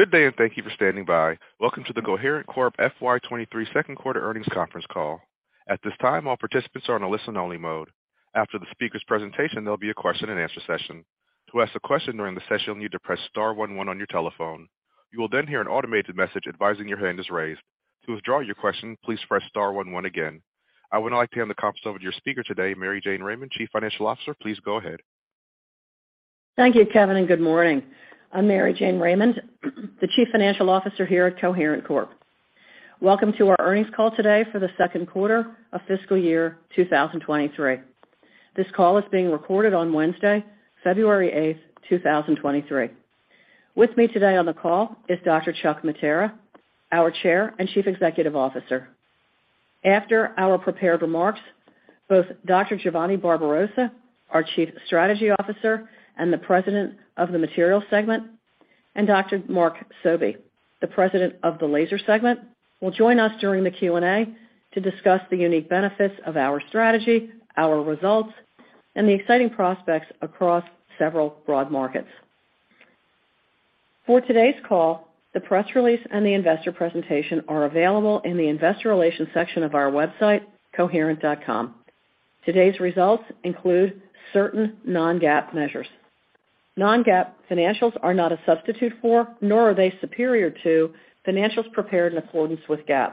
Good day, and thank you for standing by. Welcome to the Coherent Corp. FY 2023 second quarter earnings conference call. At this time, all participants are on a listen-only mode. After the speaker's presentation, there'll be a question-and-answer session. To ask a question during the session, you'll need to press star 11 on your telephone. You will then hear an automated message advising your hand is raised. To withdraw your question, please press star 11 again. I would now like to hand the conference over to your speaker today, Mary Jane Raymond, Chief Financial Officer. Please go ahead. Thank you, Kevin. Good morning. I'm Mary Jane Raymond, the Chief Financial Officer here at Coherent Corp. Welcome to our earnings call today for the 2nd quarter of fiscal year 2023. This call is being recorded on Wednesday, February 8, 2023. With me today on the call is Dr. Chuck Mattera, our Chair and Chief Executive Officer. After our prepared remarks, both Dr. Giovanni Barbarossa, our Chief Strategy Officer and the President of the Materials Segment, and Dr. Mark Sobey, the President of the Laser Segment, will join us during the Q&A to discuss the unique benefits of our strategy, our results, and the exciting prospects across several broad markets. For today's call, the press release and the investor presentation are available in the investor relations section of our website, coherent.com. Today's results include certain non-GAAP measures. Non-GAAP financials are not a substitute for, nor are they superior to financials prepared in accordance with GAAP.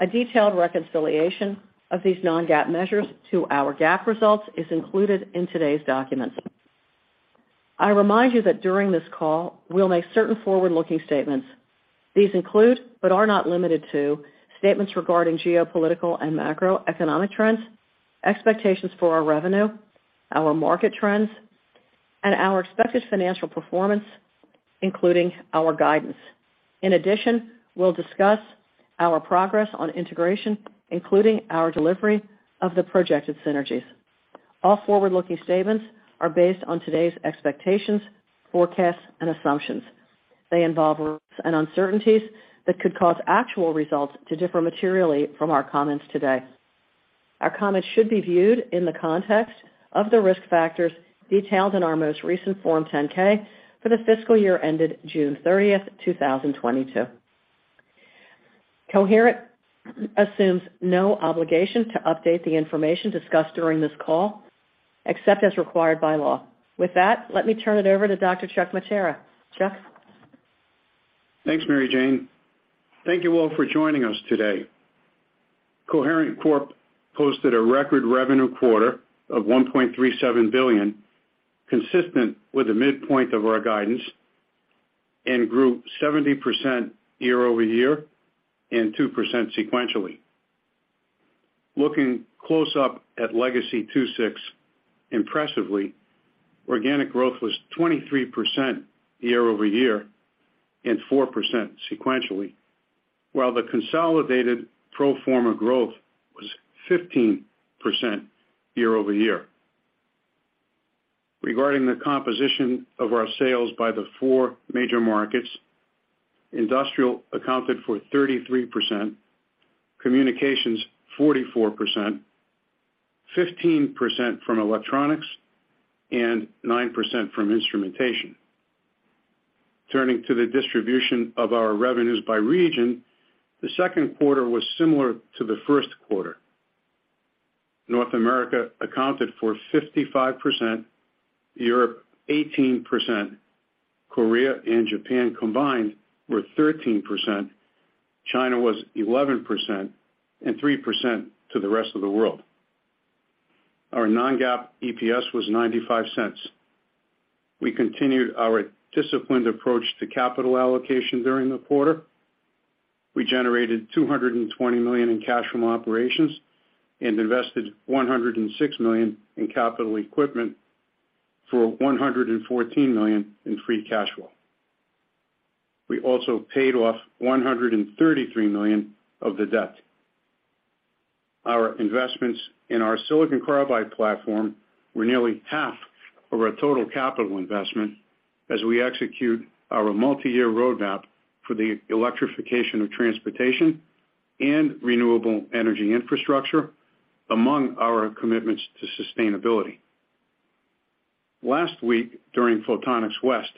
A detailed reconciliation of these non-GAAP measures to our GAAP results is included in today's documents. I remind you that during this call, we'll make certain forward-looking statements. These include, but are not limited to, statements regarding geopolitical and macroeconomic trends, expectations for our revenue, our market trends, and our expected financial performance, including our guidance. We'll discuss our progress on integration, including our delivery of the projected synergies. All forward-looking statements are based on today's expectations, forecasts, and assumptions. They involve risks and uncertainties that could cause actual results to differ materially from our comments today. Our comments should be viewed in the context of the risk factors detailed in our most recent Form 10-K for the fiscal year ended June 30, 2022. Coherent assumes no obligation to update the information discussed during this call, except as required by law. With that, let me turn it over to Dr. Chuck Mattera. Chuck? Thanks, Mary Jane. Thank you all for joining us today. Coherent Corp. posted a record revenue quarter of $1.37 billion, consistent with the midpoint of our guidance, and grew 70% year-over-year and 2% sequentially. Looking close up at legacy II-VI, impressively, organic growth was 23% year-over-year and 4% sequentially, while the consolidated pro forma growth was 15% year-over-year. Regarding the composition of our sales by the four major markets, industrial accounted for 33%, communications 44%, 15% from electronics, and 9% from instrumentation. Turning to the distribution of our revenues by region, the second quarter was similar to the first quarter. North America accounted for 55%, Europe 18%, Korea and Japan combined were 13%, China was 11%, and 3% to the rest of the world. Our non-GAAP EPS was $0.95. We continued our disciplined approach to capital allocation during the quarter. We generated $220 million in cash from operations and invested $106 million in capital equipment for $114 million in free cash flow. We also paid off $133 million of the debt. Our investments in our silicon carbide platform were nearly half of our total capital investment as we execute our multiyear roadmap for the electrification of transportation and renewable energy infrastructure among our commitments to sustainability. Last week, during Photonics West,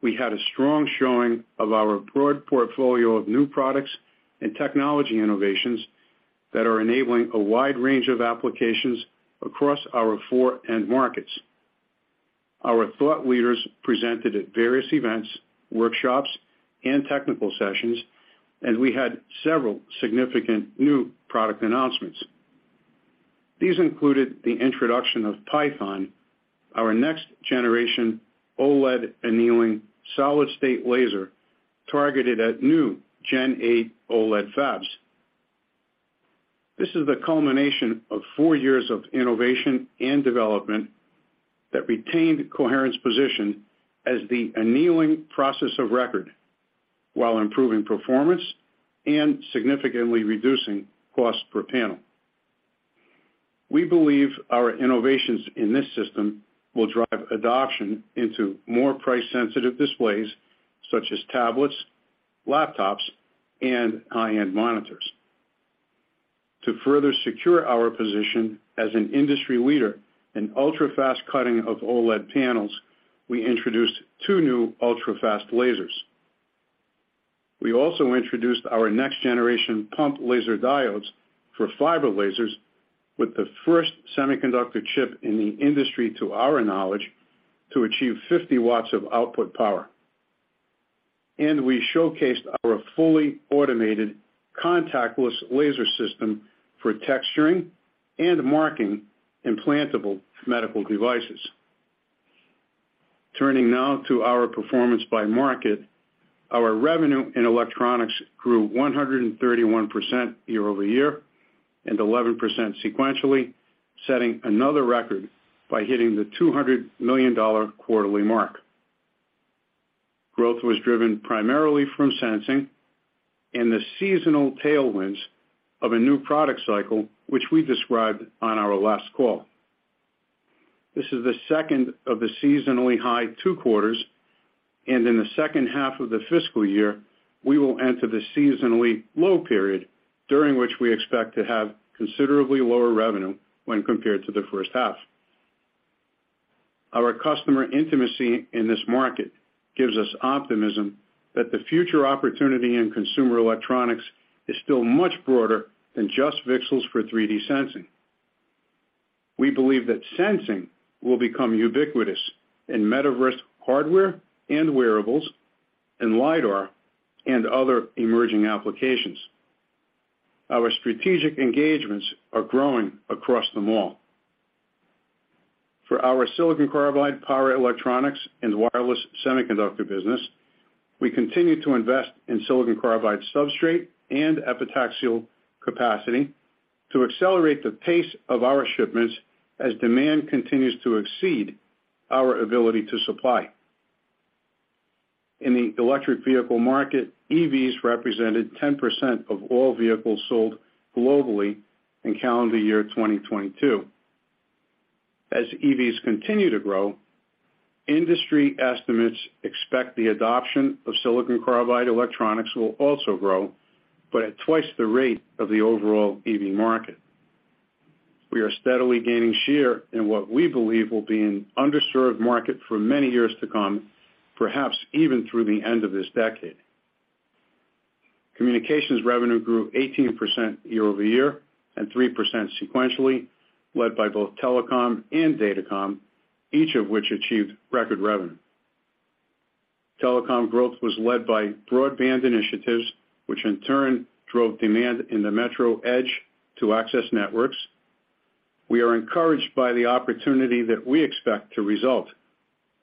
we had a strong showing of our broad portfolio of new products and technology innovations that are enabling a wide range of applications across our four end markets. Our thought leaders presented at various events, workshops, and technical sessions, and we had several significant new product announcements. These included the introduction of PYTHON, our next-generation OLED annealing solid-state laser targeted at new Gen 8 OLED fabs. This is the culmination of four years of innovation and development that retained Coherent's position as the annealing process of record while improving performance and significantly reducing cost per panel. We believe our innovations in this system will drive adoption into more price-sensitive displays, such as tablets, laptops, and high-end monitors. To further secure our position as an industry leader in ultra-fast cutting of OLED panels, we introduced 2 new ultra-fast lasers. We also introduced our next generation pump laser diodes for fiber lasers with the first semiconductor chip in the industry, to our knowledge, to achieve 50 watts of output power. We showcased our fully automated contactless laser system for texturing and marking implantable medical devices. Turning now to our performance by market. Our revenue in electronics grew 131% year-over-year and 11% sequentially, setting another record by hitting the $200 million quarterly mark. Growth was driven primarily from sensing and the seasonal tailwinds of a new product cycle, which we described on our last call. This is the second of the seasonally high two quarters, and in the H2 of the fiscal year, we will enter the seasonally low period, during which we expect to have considerably lower revenue when compared to the H1.Our customer intimacy in this market gives us optimism that the future opportunity in consumer electronics is still much broader than just VCSELs for 3D sensing. We believe that sensing will become ubiquitous in metaverse hardware and wearables, in LIDAR and other emerging applications. Our strategic engagements are growing across them all. For our silicon carbide power electronics and wireless semiconductor business, we continue to invest in silicon carbide substrate and epitaxial capacity to accelerate the pace of our shipments as demand continues to exceed our ability to supply. In the electric vehicle market, EVs represented 10% of all vehicles sold globally in calendar year 2022. As EVs continue to grow, industry estimates expect the adoption of silicon carbide electronics will also grow, but at twice the rate of the overall EV market. We are steadily gaining share in what we believe will be an underserved market for many years to come, perhaps even through the end of this decade. Communications revenue grew 18% year-over-year and 3% sequentially, led by both telecom and datacom, each of which achieved record revenue. Telecom growth was led by broadband initiatives, which in turn drove demand in the metro edge to access networks. We are encouraged by the opportunity that we expect to result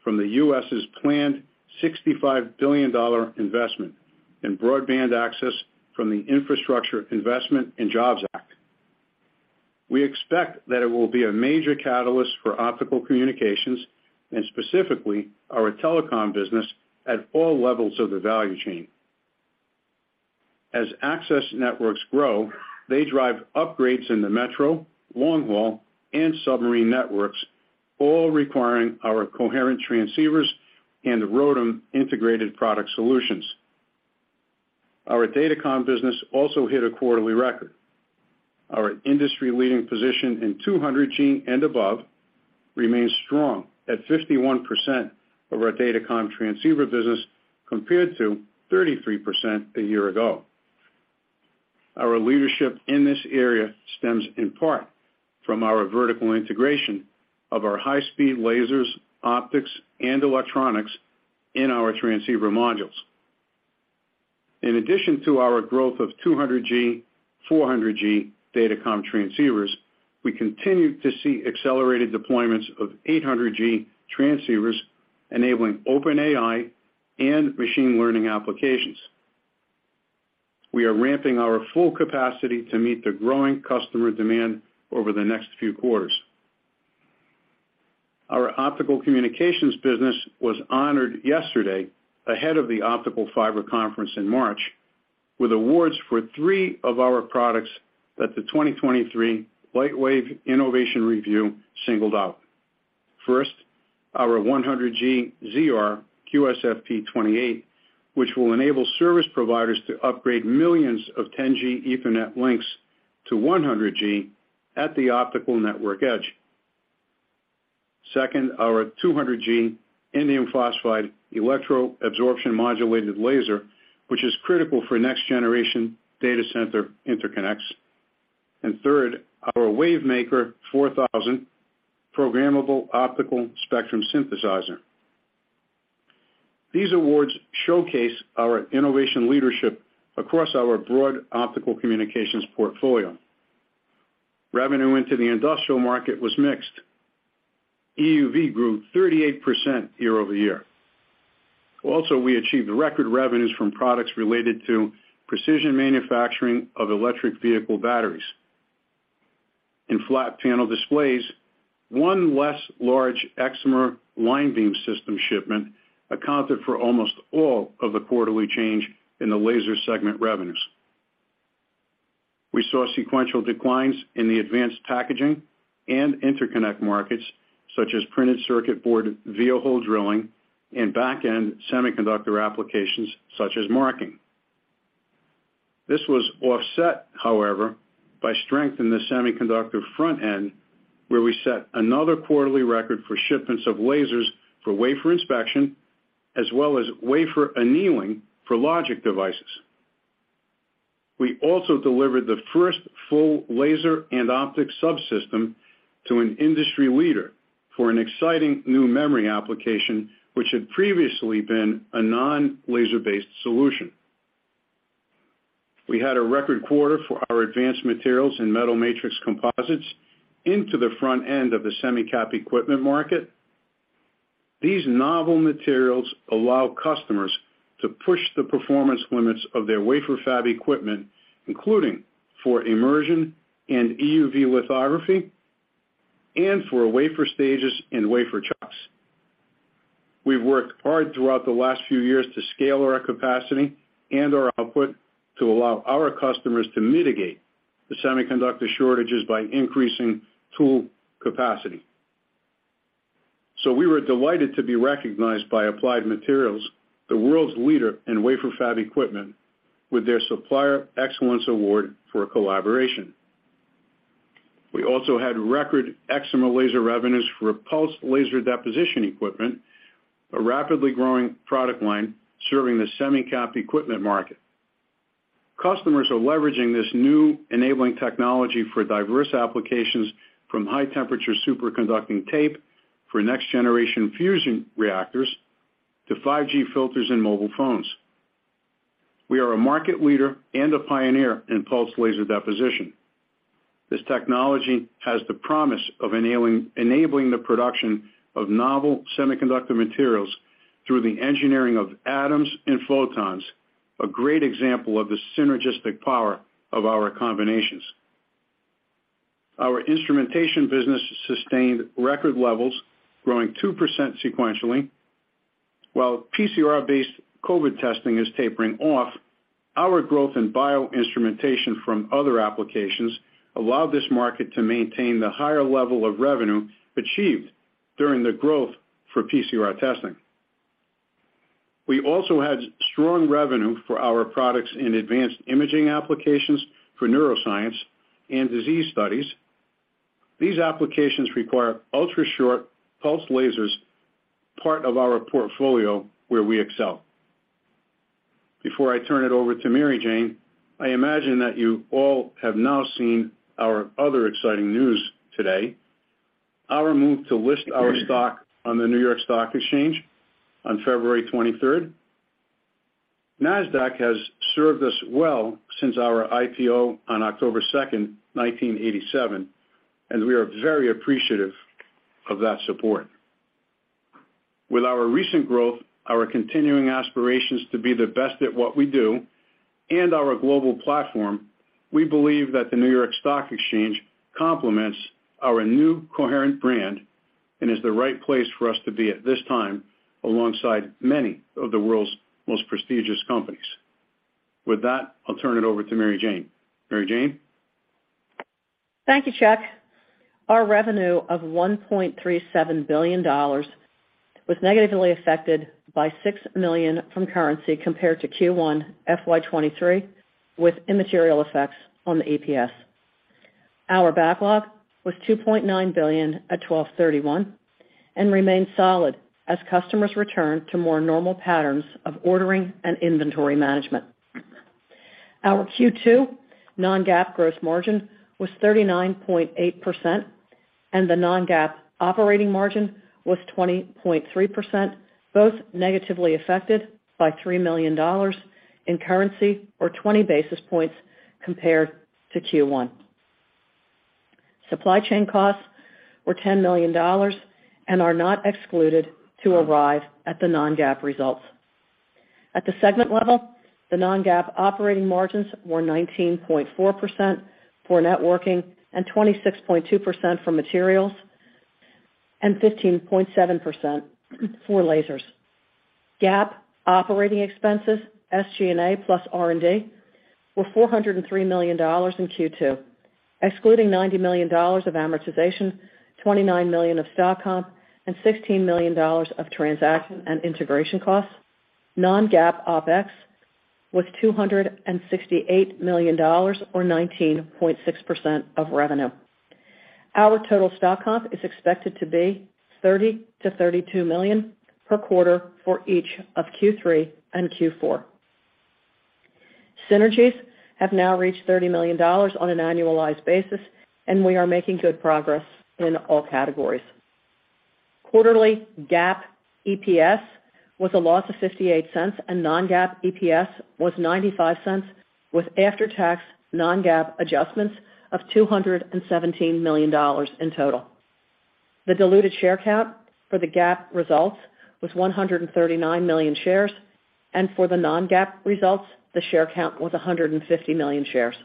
from the U.S.'s planned $65 billion investment in broadband access from the Infrastructure Investment and Jobs Act. We expect that it will be a major catalyst for optical communications and specifically our telecom business at all levels of the value chain. As access networks grow, they drive upgrades in the metro, long haul, and submarine networks, all requiring our coherent transceivers and ROADM integrated product solutions. Our datacom business also hit a quarterly record. Our industry-leading position in 200G and above remains strong at 51% of our datacom transceiver business compared to 33% a year ago. Our leadership in this area stems in part from our vertical integration of our high-speed lasers, optics and electronics in our transceiver modules. In addition to our growth of 200G, 400G datacom transceivers, we continue to see accelerated deployments of 800G transceivers enabling OpenAI and machine learning applications. We are ramping our full capacity to meet the growing customer demand over the next few quarters. Our optical communications business was honored yesterday ahead of the Optical Fiber Conference in March with awards for three of our products that the 2023 Lightwave Innovation Reviews singled out. First, our 100G ZR QSFP28, which will enable service providers to upgrade millions of 10G Ethernet links to 100G at the optical network edge. Second, our 200G indium phosphide electro-absorption modulated laser, which is critical for next generation data center interconnects. Third, our WaveMaker 4000 programmable optical spectrum synthesizer. These awards showcase our innovation leadership across our broad optical communications portfolio. Revenue into the industrial market was mixed. EUV grew 38% year-over-year. Also, we achieved record revenues from products related to precision manufacturing of electric vehicle batteries. In flat panel displays, one less large excimer line beam system shipment accounted for almost all of the quarterly change in the laser segment revenues. We saw sequential declines in the advanced packaging and interconnect markets such as printed circuit board via hole drilling In back-end semiconductor applications such as marking. This was offset, however, by strength in the semiconductor front end, where we set another quarterly record for shipments of lasers for wafer inspection as well as wafer annealing for logic devices. We also delivered the first full laser and optics subsystem to an industry leader for an exciting new memory application which had previously been a non-laser-based solution. We had a record quarter for our advanced materials in metal matrix composites into the front end of the semi cap equipment market. These novel materials allow customers to push the performance limits of their wafer fab equipment, including for immersion and EUV lithography and for wafer stages and wafer chucks. We've worked hard throughout the last few years to scale our capacity and our output to allow our customers to mitigate the semiconductor shortages by increasing tool capacity. We were delighted to be recognized by Applied Materials, the world's leader in wafer fab equipment, with their Supplier Excellence Award for collaboration. We also had record excimer laser revenues for pulsed laser deposition equipment, a rapidly growing product line serving the semi cap equipment market. Customers are leveraging this new enabling technology for diverse applications from high-temperature superconducting tape for next-generation fusion reactors to 5G filters in mobile phones. We are a market leader and a pioneer in pulsed laser deposition. This technology has the promise of enabling the production of novel semiconductor materials through the engineering of atoms and photons, a great example of the synergistic power of our combinations. Our instrumentation business sustained record levels, growing 2% sequentially. While PCR-based COVID testing is tapering off, our growth in bio-instrumentation from other applications allowed this market to maintain the higher level of revenue achieved during the growth for PCR testing. We also had strong revenue for our products in advanced imaging applications for neuroscience and disease studies. These applications require ultrashort pulse lasers, part of our portfolio where we excel. Before I turn it over to Mary Jane, I imagine that you all have now seen our other exciting news today, our move to list our stock on the New York Stock Exchange on February 23rd. Nasdaq has served us well since our IPO on October 2, 1987, and we are very appreciative of that support. With our recent growth, our continuing aspirations to be the best at what we do, and our global platform, we believe that the New York Stock Exchange complements our new Coherent brand and is the right place for us to be at this time alongside many of the world's most prestigious companies. With that, I'll turn it over to Mary Jane. Mary Jane? Thank you, Chuck. Our revenue of $1.37 billion was negatively affected by $6 million from currency compared to Q1 FY 2023, with immaterial effects on the EPS. Our backlog was $2.9 billion at 12/31 and remains solid as customers return to more normal patterns of ordering and inventory management. Our Q2 non-GAAP gross margin was 39.8%, and the non-GAAP operating margin was 20.3%, both negatively affected by $3 million in currency or 20 basis points compared to Q1. Supply chain costs were $10 million and are not excluded to arrive at the non-GAAP results. At the segment level, the non-GAAP operating margins were 19.4% for networking and 26.2% for materials and 15.7% for lasers. GAAP operating expenses, SG&A plus R&D, were $403 million in Q2. Excluding $90 million of amortization, $29 million of stock comp, and $16 million of transaction and integration costs, non-GAAP OpEx was $268 million or 19.6% of revenue. Our total stock comp is expected to be $30 million-$32 million per quarter for each of Q3 and Q4. Synergies have now reached $30 million on an annualized basis, and we are making good progress in all categories. Quarterly GAAP EPS was a loss of $0.58, and non-GAAP EPS was $0.95, with after-tax non-GAAP adjustments of $217 million in total. The diluted share count for the GAAP results was 139 million shares, and for the non-GAAP results, the share count was 150 million shares.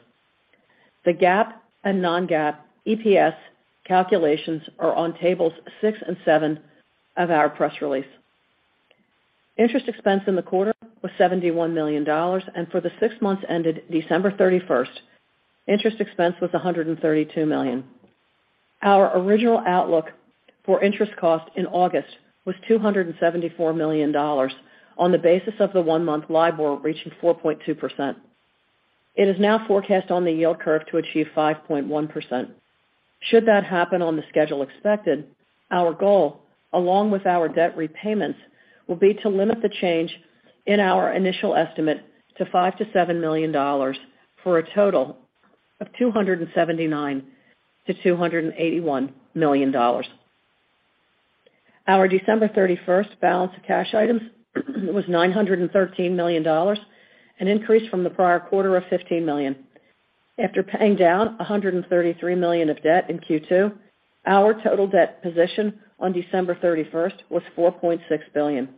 The GAAP and non-GAAP EPS calculations are on tables 6 and 7 of our press release. Interest expense in the quarter was $71 million, and for the six months ended December 31st, interest expense was $132 million. Our original outlook for interest cost in August was $274 million on the basis of the one-month LIBOR reaching 4.2%. It is now forecast on the yield curve to achieve 5.1%. Should that happen on the schedule expected, our goal, along with our debt repayments, will be to limit the change in our initial estimate to $5 million-$7 million, for a total of $279 million-$281 million. Our December 31st balance of cash items was $913 million, an increase from the prior quarter of $15 million. After paying down $133 million of debt in Q2, our total debt position on December 31st was $4.6 billion.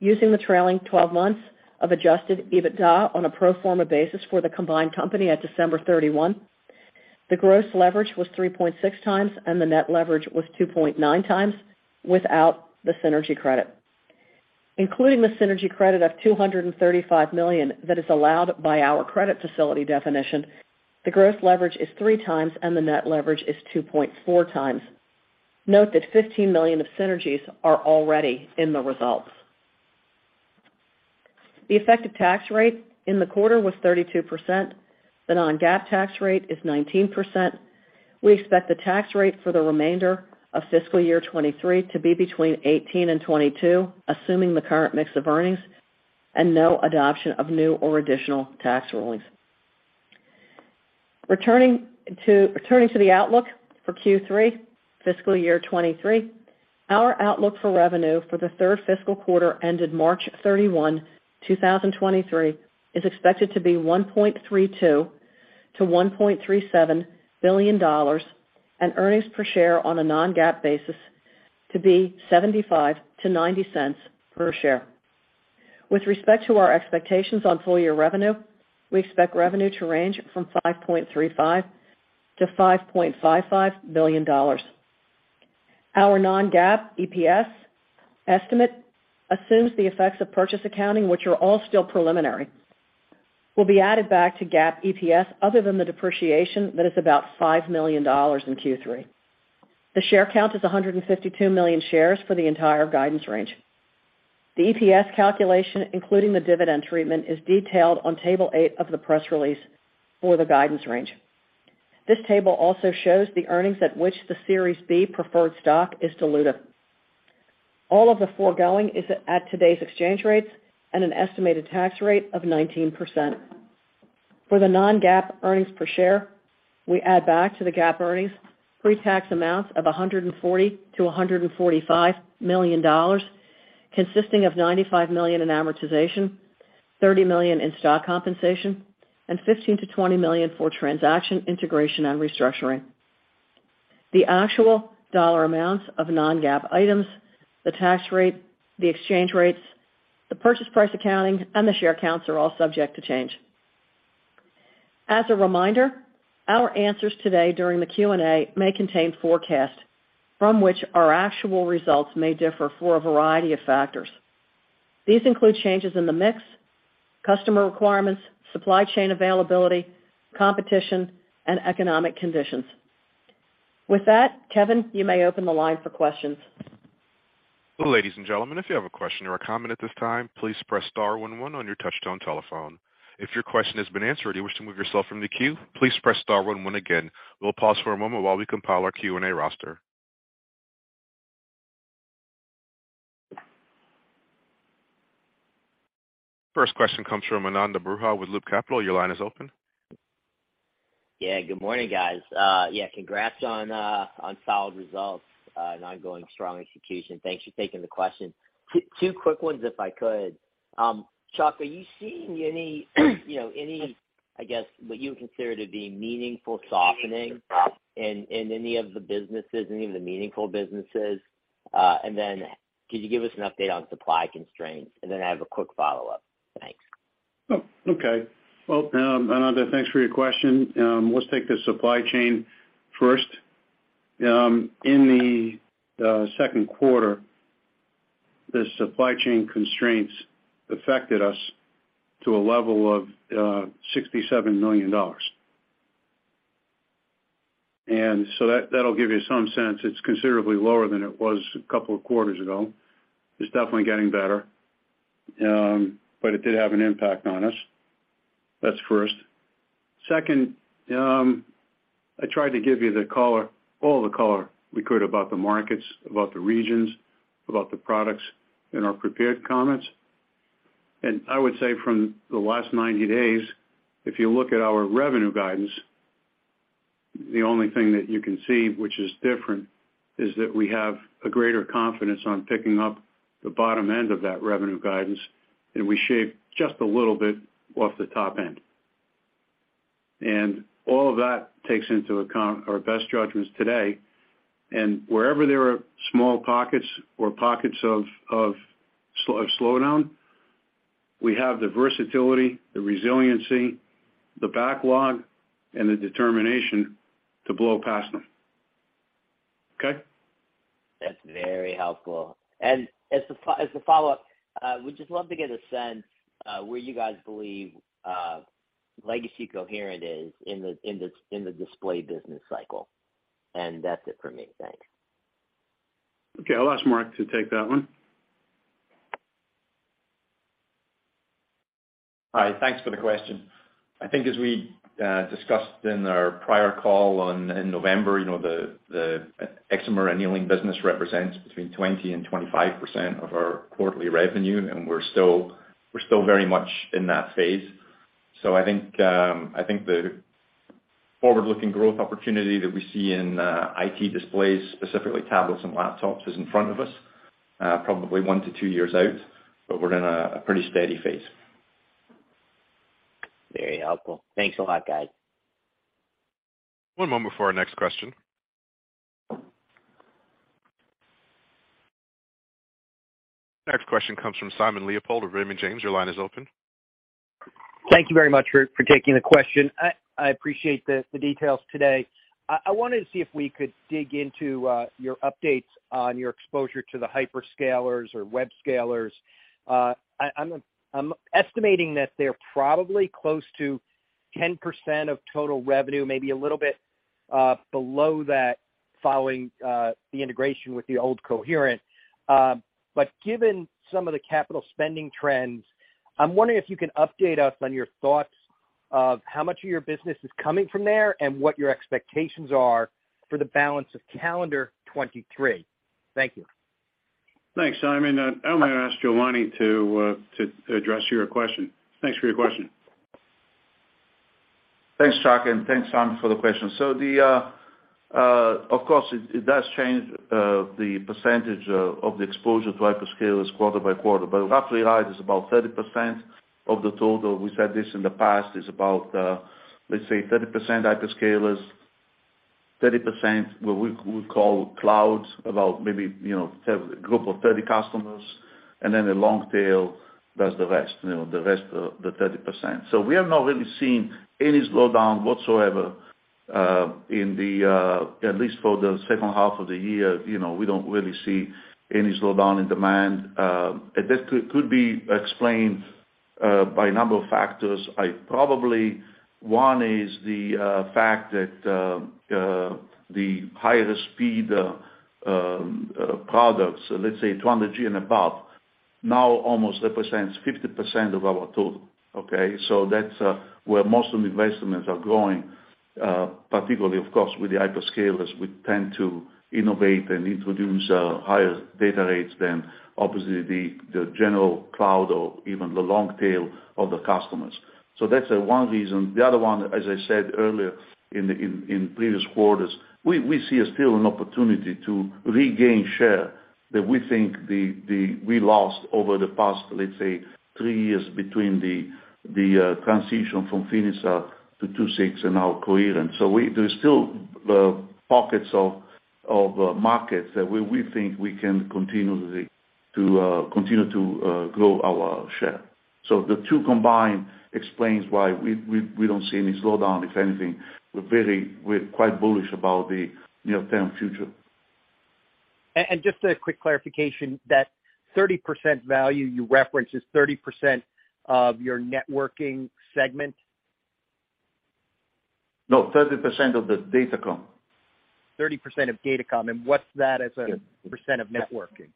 Using the trailing 12 months of adjusted EBITDA on a pro forma basis for the combined company at December 31, the gross leverage was 3.6 times, and the net leverage was 2.9 times without the synergy credit. Including the synergy credit of $235 million that is allowed by our credit facility definition, the gross leverage is 3 times, and the net leverage is 2.4 times. Note that $15 million of synergies are already in the results. The effective tax rate in the quarter was 32%. The non-GAAP tax rate is 19%. We expect the tax rate for the remainder of fiscal year 2023 to be between 18% and 22%, assuming the current mix of earnings and no adoption of new or additional tax rulings. Returning to the outlook for Q3 fiscal year 2023, our outlook for revenue for the third fiscal quarter ended March 31, 2023, is expected to be $1.32 billion-$1.37 billion, and earnings per share on a non-GAAP basis to be $0.75-$0.90 per share. With respect to our expectations on full-year revenue, we expect revenue to range from $5.35 billion-$5.55 billion. Our non-GAAP EPS estimate assumes the effects of purchase accounting, which are all still preliminary, will be added back to GAAP EPS other than the depreciation that is about $5 million in Q3. The share count is 152 million shares for the entire guidance range. The EPS calculation, including the dividend treatment, is detailed on table 8 of the press release for the guidance range. This table also shows the earnings at which the Series B preferred stock is dilutive. All of the foregoing is at today's exchange rates and an estimated tax rate of 19%. For the non-GAAP earnings per share, we add back to the GAAP earnings pretax amounts of $140 million-$145 million, consisting of $95 million in amortization, $30 million in stock compensation, and $15 million-$20 million for transaction integration and restructuring. The actual dollar amounts of non-GAAP items, the tax rate, the exchange rates, the purchase accounting, and the share counts are all subject to change. As a reminder, our answers today during the Q&A may contain forecasts from which our actual results may differ for a variety of factors. These include changes in the mix, customer requirements, supply chain availability, competition, and economic conditions. With that, Kevin, you may open the line for questions. Ladies and gentlemen, if you have a question or a comment at this time, please press star one one on your touchtone telephone. If your question has been answered and you wish to remove yourself from the queue, please press star one one again. We'll pause for a moment while we compile our Q&A roster. First question comes from Ananda Baruah with Loop Capital. Your line is open. Good morning, guys. Yeah, congrats on solid results and ongoing strong execution. Thanks for taking the question. Two quick ones, if I could. Chuck, are you seeing any, you know, any, I guess, what you would consider to be meaningful softening in any of the businesses, any of the meaningful businesses? Could you give us an update on supply constraints? I have a quick follow-up. Thanks. Well, Ananda Baruah, thanks for your question. Let's take the supply chain first. In the Q2, the supply chain constraints affected us to a level of $67 million. That'll give you some sense. It's considerably lower than it was a couple of quarters ago. It's definitely getting better, but it did have an impact on us. That's first. Second, I tried to give you the color, all the color we could about the markets, about the regions, about the products in our prepared comments. I would say from the last 90 days, if you look at our revenue guidance, the only thing that you can see which is different is that we have a greater confidence on picking up the bottom end of that revenue guidance, and we shave just a little bit off the top end. All of that takes into account our best judgments today. Wherever there are small pockets or pockets of slowdown, we have the versatility, the resiliency, the backlog, and the determination to blow past them. Okay? That's very helpful. As the follow-up, we'd just love to get a sense, where you guys believe, legacy Coherent is in the display business cycle, and that's it for me. Thanks. Okay, I'll ask Mark to take that one. Hi. Thanks for the question. I think as we discussed in our prior call in November, you know, the excimer annealing business represents between 20% and 25% of our quarterly revenue, and we're still very much in that phase. I think the forward-looking growth opportunity that we see in IT displays, specifically tablets and laptops, is in front of us, probably one-two years out, but we're in a pretty steady phase. Very helpful. Thanks a lot, guys. One moment before our next question. Next question comes from Simon Leopold with Raymond James. Your line is open. Thank you very much for taking the question. I appreciate the details today. I wanted to see if we could dig into your updates on your exposure to the hyperscalers or web scalers. I'm estimating that they're probably close to 10% of total revenue, maybe a little bit below that following the integration with the old Coherent. Given some of the capital spending trends, I'm wondering if you can update us on your thoughts of how much of your business is coming from there and what your expectations are for the balance of calendar 2023. Thank you. Thanks, Simon. I'm gonna ask Giovanni to address your question. Thanks for your question. Thanks, Chuck, and thanks, Simon, for the question. The... Of course it does change the percentage of the exposure to hyperscalers quarter by quarter, but roughly right is about 30% of the total. We said this in the past, is about, let's say 30% hyperscalers, 30% what we call clouds, about maybe, you know, group of 30 customers, and then a long tail does the rest, you know, the rest of the 30%. We have not really seen any slowdown whatsoever in the, at least for the H2 of the year. You know, we don't really see any slowdown in demand. That could be explained by a number of factors. I probably... One is the fact that the higher speed products, let's say 200G and above, now almost represents 50% of our total. That's where most of the investments are growing, particularly of course with the hyperscalers, we tend to innovate and introduce higher data rates than obviously the general cloud or even the long tail of the customers. That's one reason. The other one, as I said earlier in previous quarters, we still see an opportunity to regain share that we think we lost over the past, let's say, three years between the transition from Finisar to II-VI and now Coherent. There's still pockets of markets that we think we can continuously to continue to grow our share. The two combined explains why we don't see any slowdown. If anything, we're quite bullish about the near-term future. Just a quick clarification, that 30% value you referenced is 30% of your networking segment? No, 30% of the Datacom. 30% of Datacom, and what's that as a % of networking?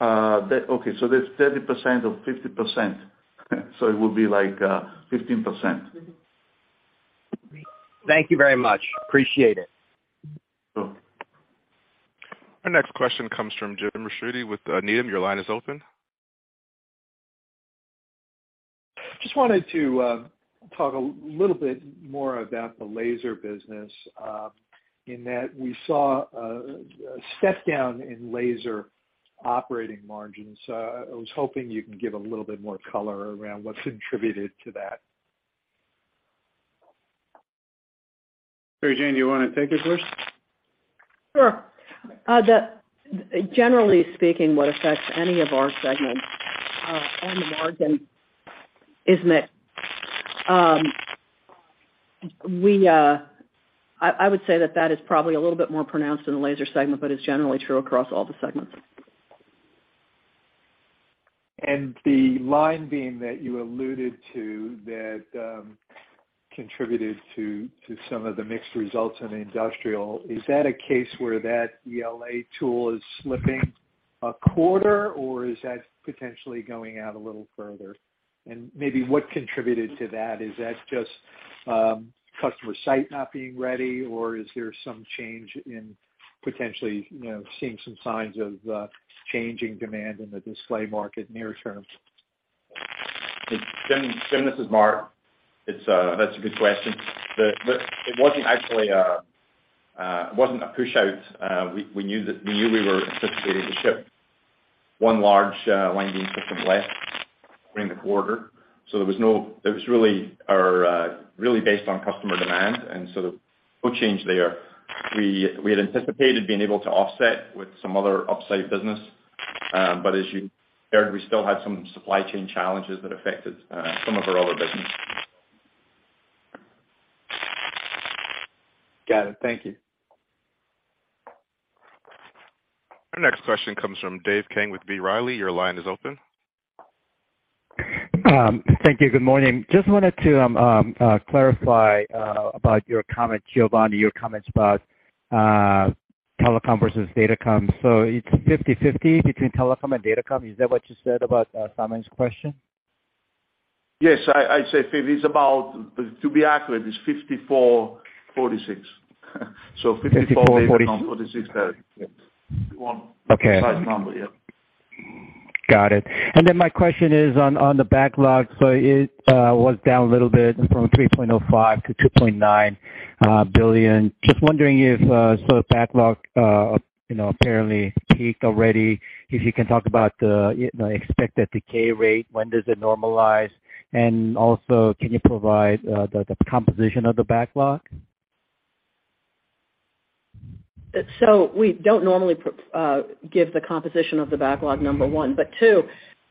Okay, that's 30% of 50%, it would be like, 15%. Thank you very much. Appreciate it. Sure. Our next question comes from James Ricchiuti with Needham. Your line is open. Just wanted to talk a little bit more about the laser business, in that we saw a step down in laser operating margins. I was hoping you can give a little bit more color around what's attributed to that. Mary Jane, do you wanna take it first? Sure. Generally speaking, what affects any of our segments, and the margin is that, I would say that that is probably a little bit more pronounced in the laser segment, but it's generally true across all the segments. The line being that you alluded to that, contributed to some of the mixed results in industrial, is that a case where that ELA tool is slipping a quarter, or is that potentially going out a little further? Maybe what contributed to that? Is that just, customer site not being ready, or is there some change in potentially, you know, seeing some signs of, changing demand in the display market near term? Jim, this is Mark. It's, that's a good question. The, it wasn't actually, it wasn't a push-out. We knew that, we knew we were anticipating the ship 1 large, line beam system less in the quarter, so there was no... It was really our, really based on customer demand. No change there. We had anticipated being able to offset with some other offsite business. As you heard, we still had some supply chain challenges that affected some of our other business. Got it. Thank you. Our next question comes from Dave Kang with B. Riley. Your line is open. Thank you. Good morning. Just wanted to clarify about your comments, Giovanni, about telecom versus Datacom. It's 50/50 between telecom and Datacom, is that what you said about Simon's question? Yes. I said it's about, to be accurate, it's 54/46. 54 telecom, 46 data. Fifty-four/forty-six? One precise number, yeah. Got it. My question is on the backlog. It was down a little bit from $3.05 billion to $2.9 billion. Just wondering if, backlog, you know, apparently peaked already. If you can talk about the, you know, expected decay rate, when does it normalize, and also can you provide the composition of the backlog? We don't normally give the composition of the backlog, number one. Two,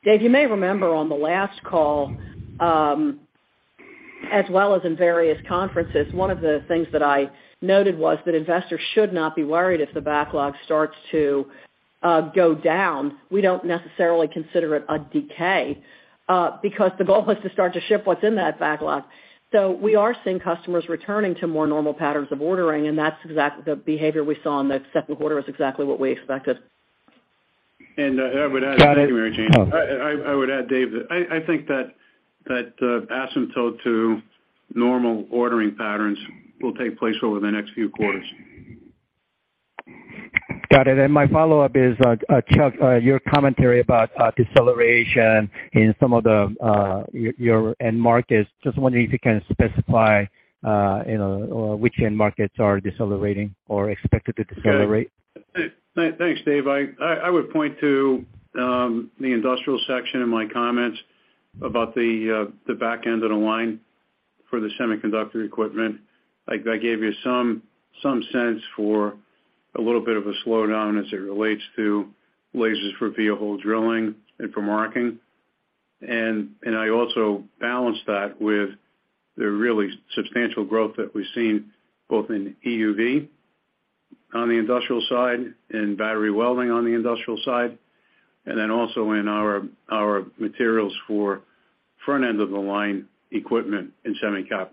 Dave, you may remember on the last call, as well as in various conferences, one of the things that I noted was that investors should not be worried if the backlog starts to go down. We don't necessarily consider it a decay because the goal is to start to ship what's in that backlog. We are seeing customers returning to more normal patterns of ordering, and that's exact the behavior we saw in the second quarter is exactly what we expected. I would add. Got it. Thank you, Mary Jane. I would add, Dave, that I think that the asymptote to normal ordering patterns will take place over the next few quarters. Got it. My follow-up is, Chuck, your commentary about deceleration in some of the your end markets. Just wondering if you can specify, you know, which end markets are decelerating or expected to decelerate. Thanks, Dave. I would point to the industrial section in my comments about the back end of the line for the semiconductor equipment. Like, I gave you some sense for a little bit of a slowdown as it relates to lasers for via drilling and for marking. I also balanced that with the really substantial growth that we've seen both in EUV on the industrial side, in battery welding on the industrial side, and then also in our materials for front end of the line equipment in semiconductor.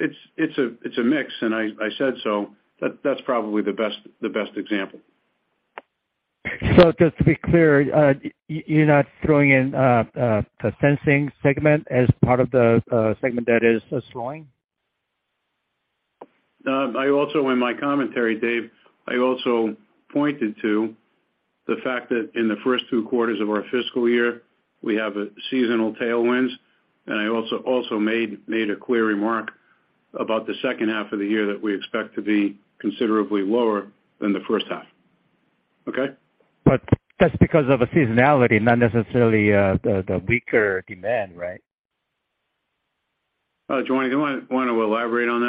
It's a mix, and I said so. That's probably the best example. just to be clear, you're not throwing in the sensing segment as part of the segment that is slowing? No. I also in my commentary, Dave, I also pointed to the fact that in the first two quarters of our fiscal year, we have a seasonal tailwinds, and I also made a clear remark about the H2 of the year that we expect to be considerably lower than the H1. Okay? That's because of a seasonality, not necessarily, the weaker demand, right? Giovanni, do you wanna elaborate on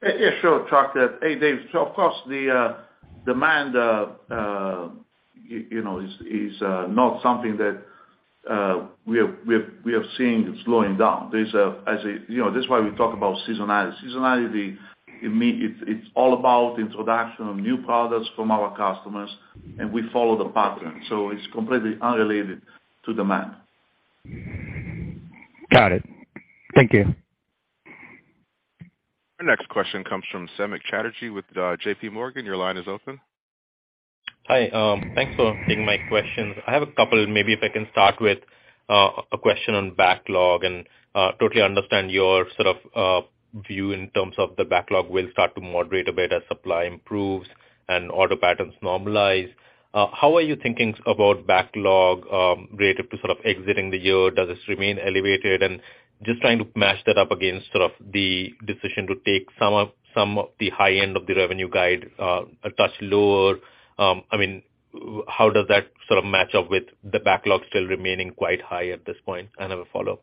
that? Sure, Chuck. Hey, Dave. Of course, the demand, you know, is not something that we have seen slowing down. You know, this is why we talk about seasonality. Seasonality, it means it's all about introduction of new products from our customers, and we follow the pattern. It's completely unrelated to demand. Got it. Thank you. Our next question comes from Samik Chatterjee with, J.P. Morgan. Your line is open. Hi. Thanks for taking my questions. I have a couple, maybe if I can start with a question on backlog and totally understand your sort of view in terms of the backlog will start to moderate a bit as supply improves and order patterns normalize. How are you thinking about backlog related to sort of exiting the year? Does this remain elevated? Just trying to match that up against sort of the decision to take some of the high end of the revenue guide a touch lower. I mean, how does that sort of match up with the backlog still remaining quite high at this point? I have a follow-up.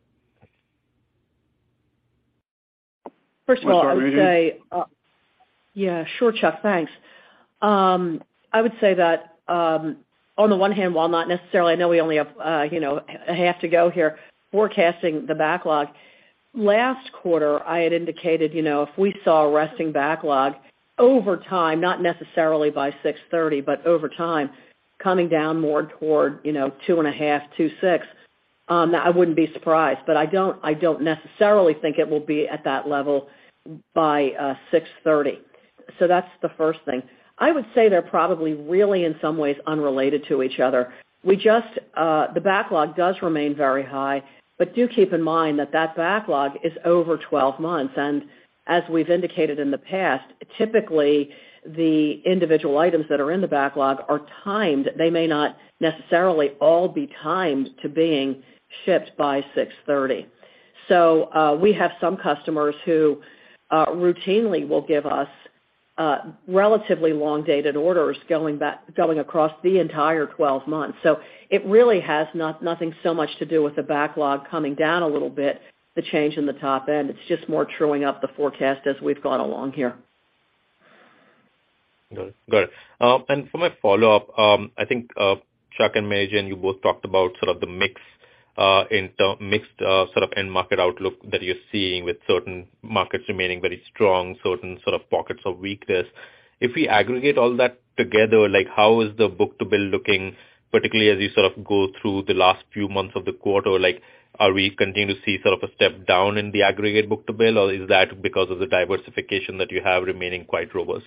First of all, I would say. I'm sorry, Mary. Yeah, sure, Chuck. Thanks. I would say that, on the one hand, while not necessarily I know we only have, you know, a half to go here forecasting the backlog. Last quarter, I had indicated, you know, if we saw a resting backlog over time, not necessarily by 6/30, but over time coming down more toward, you know, 2.5, 2.6, I wouldn't be surprised, but I don't, I don't necessarily think it will be at that level by 6/30. That's the first thing. I would say they're probably really in some ways unrelated to each other. We just, the backlog does remain very high, but do keep in mind that that backlog is over 12 months. As we've indicated in the past, typically the individual items that are in the backlog are timed. They may not necessarily all be timed to being shipped by 6:30. We have some customers who routinely will give us relatively long-dated orders going back, going across the entire 12 months. It really has nothing so much to do with the backlog coming down a little bit, the change in the top end. It's just more truing up the forecast as we've gone along here. Good. For my follow-up, I think Chuck and Mary Jane, you both talked about sort of the mixed sort of end market outlook that you're seeing with certain markets remaining very strong, certain sort of pockets of weakness. If we aggregate all that together, like how is the book-to-bill looking, particularly as you sort of go through the last few months of the quarter? Like, are we continuing to see sort of a step down in the aggregate book-to-bill, or is that because of the diversification that you have remaining quite robust?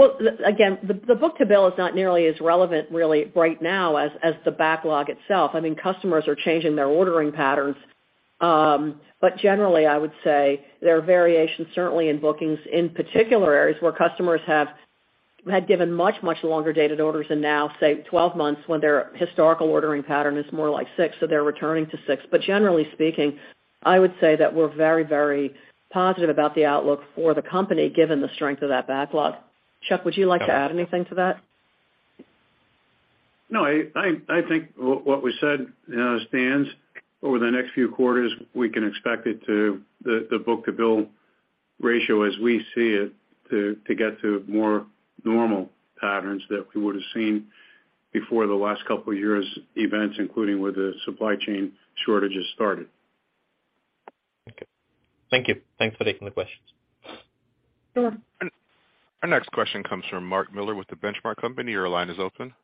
Well, the book-to-bill is not nearly as relevant really right now as the backlog itself. I mean, customers are changing their ordering patterns. Generally, I would say there are variations certainly in bookings, in particular areas where customers had given much longer dated orders and now, say, 12 months when their historical ordering pattern is more like 6, so they're returning to 6. Generally speaking, I would say that we're very positive about the outlook for the company given the strength of that backlog. Chuck, would you like to add anything to that? No, I think what was said stands. Over the next few quarters, we can expect it to the book-to-bill ratio as we see it to get to more normal patterns that we would've seen before the last couple of years' events, including where the supply chain shortages started. Okay. Thank you. Thanks for taking the questions. Sure. Our next question comes from Mark Miller with The Benchmark Company. Your line is open.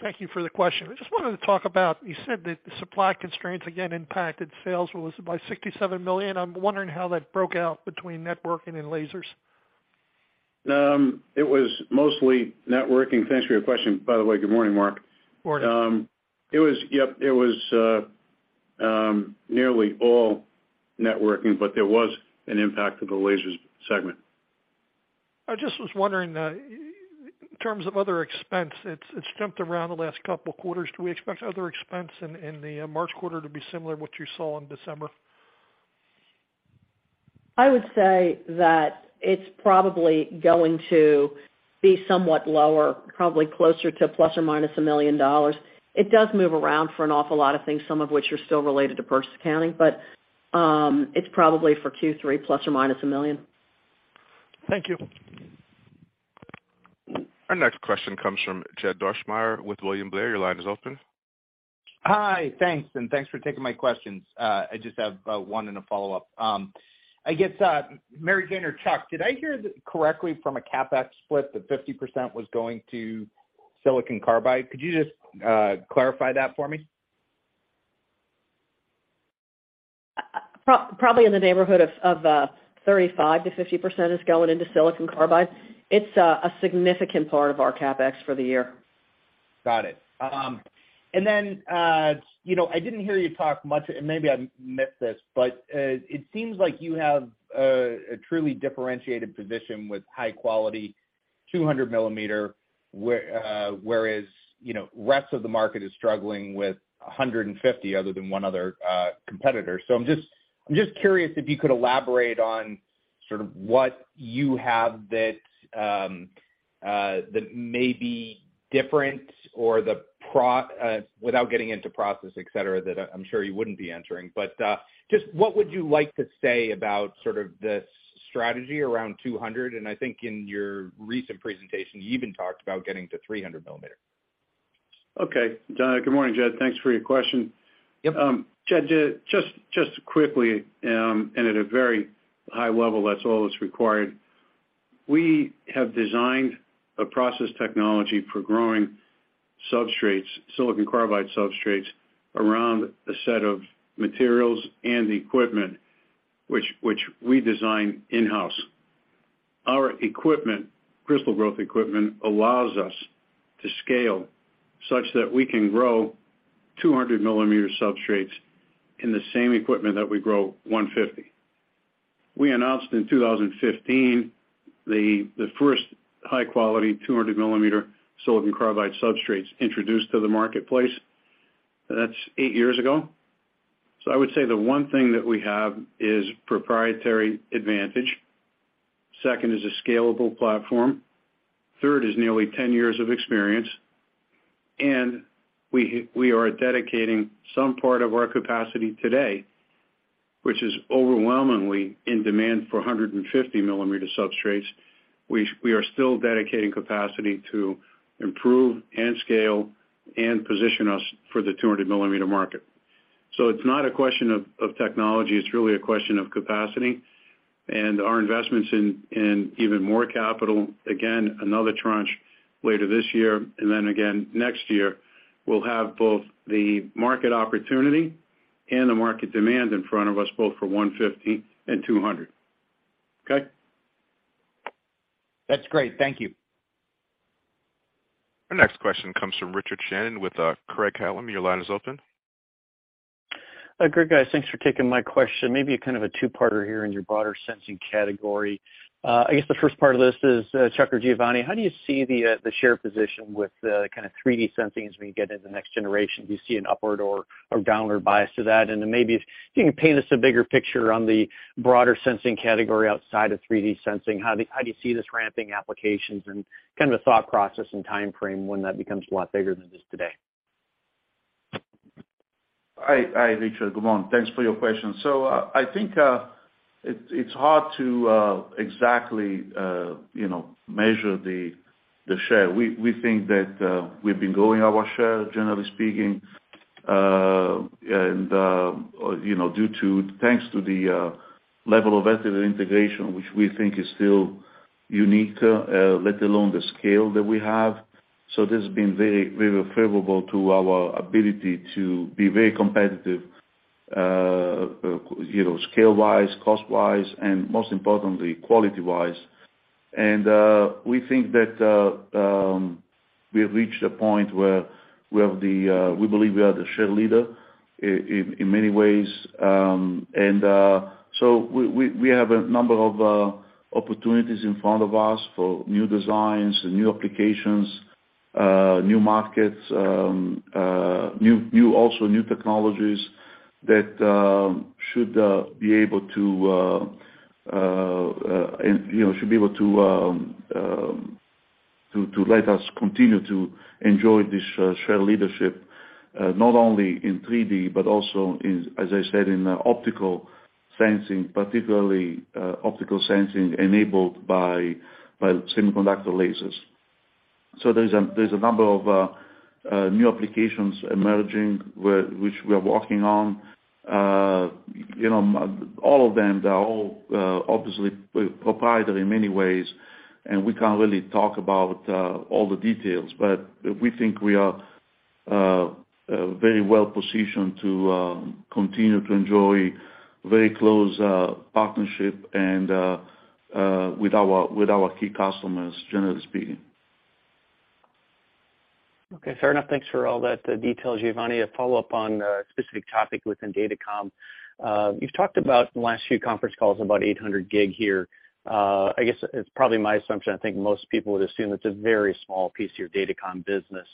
Thank you for the question. I just wanted to talk about, you said that the supply constraints again impacted sales by $67 million. I'm wondering how that broke out between networking and lasers. It was mostly networking. Thanks for your question, by the way. Good morning, Mark. Morning. it was nearly all networking, but there was an impact to the Laser Segment. I just was wondering, in terms of other expense, it's jumped around the last couple of quarters. Do we expect other expense in the March quarter to be similar to what you saw in December? I would say that it's probably going to be somewhat lower, probably closer to ±$1 million. It does move around for an awful lot of things, some of which are still related to purchase accounting, it's probably for Q3 ±$1 million. Thank you. Our next question comes from Jed Dorsheimer with William Blair. Your line is open. Hi. Thanks, and thanks for taking my questions. I just have one and a follow-up. I guess, Mary Jane or Chuck, did I hear correctly from a CapEx split that 50% was going to silicon carbide? Could you just clarify that for me? probably in the neighborhood of 35%-50% is going into silicon carbide. It's a significant part of our CapEx for the year. Got it. You know, I didn't hear you talk much, and maybe I missed this, but it seems like you have a truly differentiated position with high quality 200 millimeter where, whereas, you know, rest of the market is struggling with 150 other than one other competitor. I'm just curious if you could elaborate on sort of what you have that may be different or the pro without getting into process, et cetera, that I'm sure you wouldn't be answering. But just what would you like to say about sort of the strategy around 200? I think in your recent presentation, you even talked about getting to 300 millimeter. Good morning, Jed. Thanks for your question. Yep. Jed, just quickly, at a very high level, that's all that's required. We have designed a process technology for growing substrates, silicon carbide substrates, around a set of materials and equipment which we design in-house. Our equipment, crystal growth equipment, allows us to scale such that we can grow 200 millimeter substrates in the same equipment that we grow 150. We announced in 2015 the first high-quality 200 millimeter silicon carbide substrates introduced to the marketplace. That's eight years ago. I would say the 1 thing that we have is proprietary advantage. Second is a scalable platform. Third is nearly 10 years of experience. We are dedicating some part of our capacity today, which is overwhelmingly in demand for 150 millimeter substrates. We are still dedicating capacity to improve and scale and position us for the 200 millimeter market. It's not a question of technology, it's really a question of capacity. Our investments in even more capital, again, another tranche later this year, and then again next year, we'll have both the market opportunity and the market demand in front of us, both for 150 and 200. Okay? That's great. Thank you. Our next question comes from Richard Shannon with Craig-Hallum. Your line is open. Good, guys. Thanks for taking my question. Maybe a kind of a two-parter here in your broader sensing category. I guess the first part of this is, Chuck or Giovanni, how do you see the share position with the kind of 3D sensing as we get into the next generation? Do you see an upward or downward bias to that? Then maybe if you can paint us a bigger picture on the broader sensing category outside of 3D sensing, how do you see this ramping applications and kind of a thought process and timeframe when that becomes a lot bigger than it is today? Hi, Richard. Good morning. Thanks for your question. I think it's hard to exactly, you know, measure the share. We think that we've been growing our share generally speaking, you know, thanks to the level of active integration, which we think is still unique, let alone the scale that we have. This has been very favorable to our ability to be very competitive, you know, scale-wise, cost-wise, and most importantly, quality-wise. We think that we have reached a point where we believe we are the share leader in many ways. We have a number of opportunities in front of us for new designs and new applications, new markets, new also new technologies that should be able to, and, you know, should be able to let us continue to enjoy this share leadership not only in 3D but also in, as I said, in optical sensing, particularly optical sensing enabled by semiconductor lasers. There's a number of new applications emerging which we are working on. You know, all of them, they're all obviously proprietary in many ways, and we can't really talk about all the details. We think we are very well positioned to continue to enjoy very close partnership and with our key customers, generally speaking. Okay, fair enough. Thanks for all that, the details, Giovanni. A follow-up on a specific topic within Datacom. You've talked about in the last few conference calls about 800 gig here. I guess it's probably my assumption, I think most people would assume it's a very small piece of your Datacom business.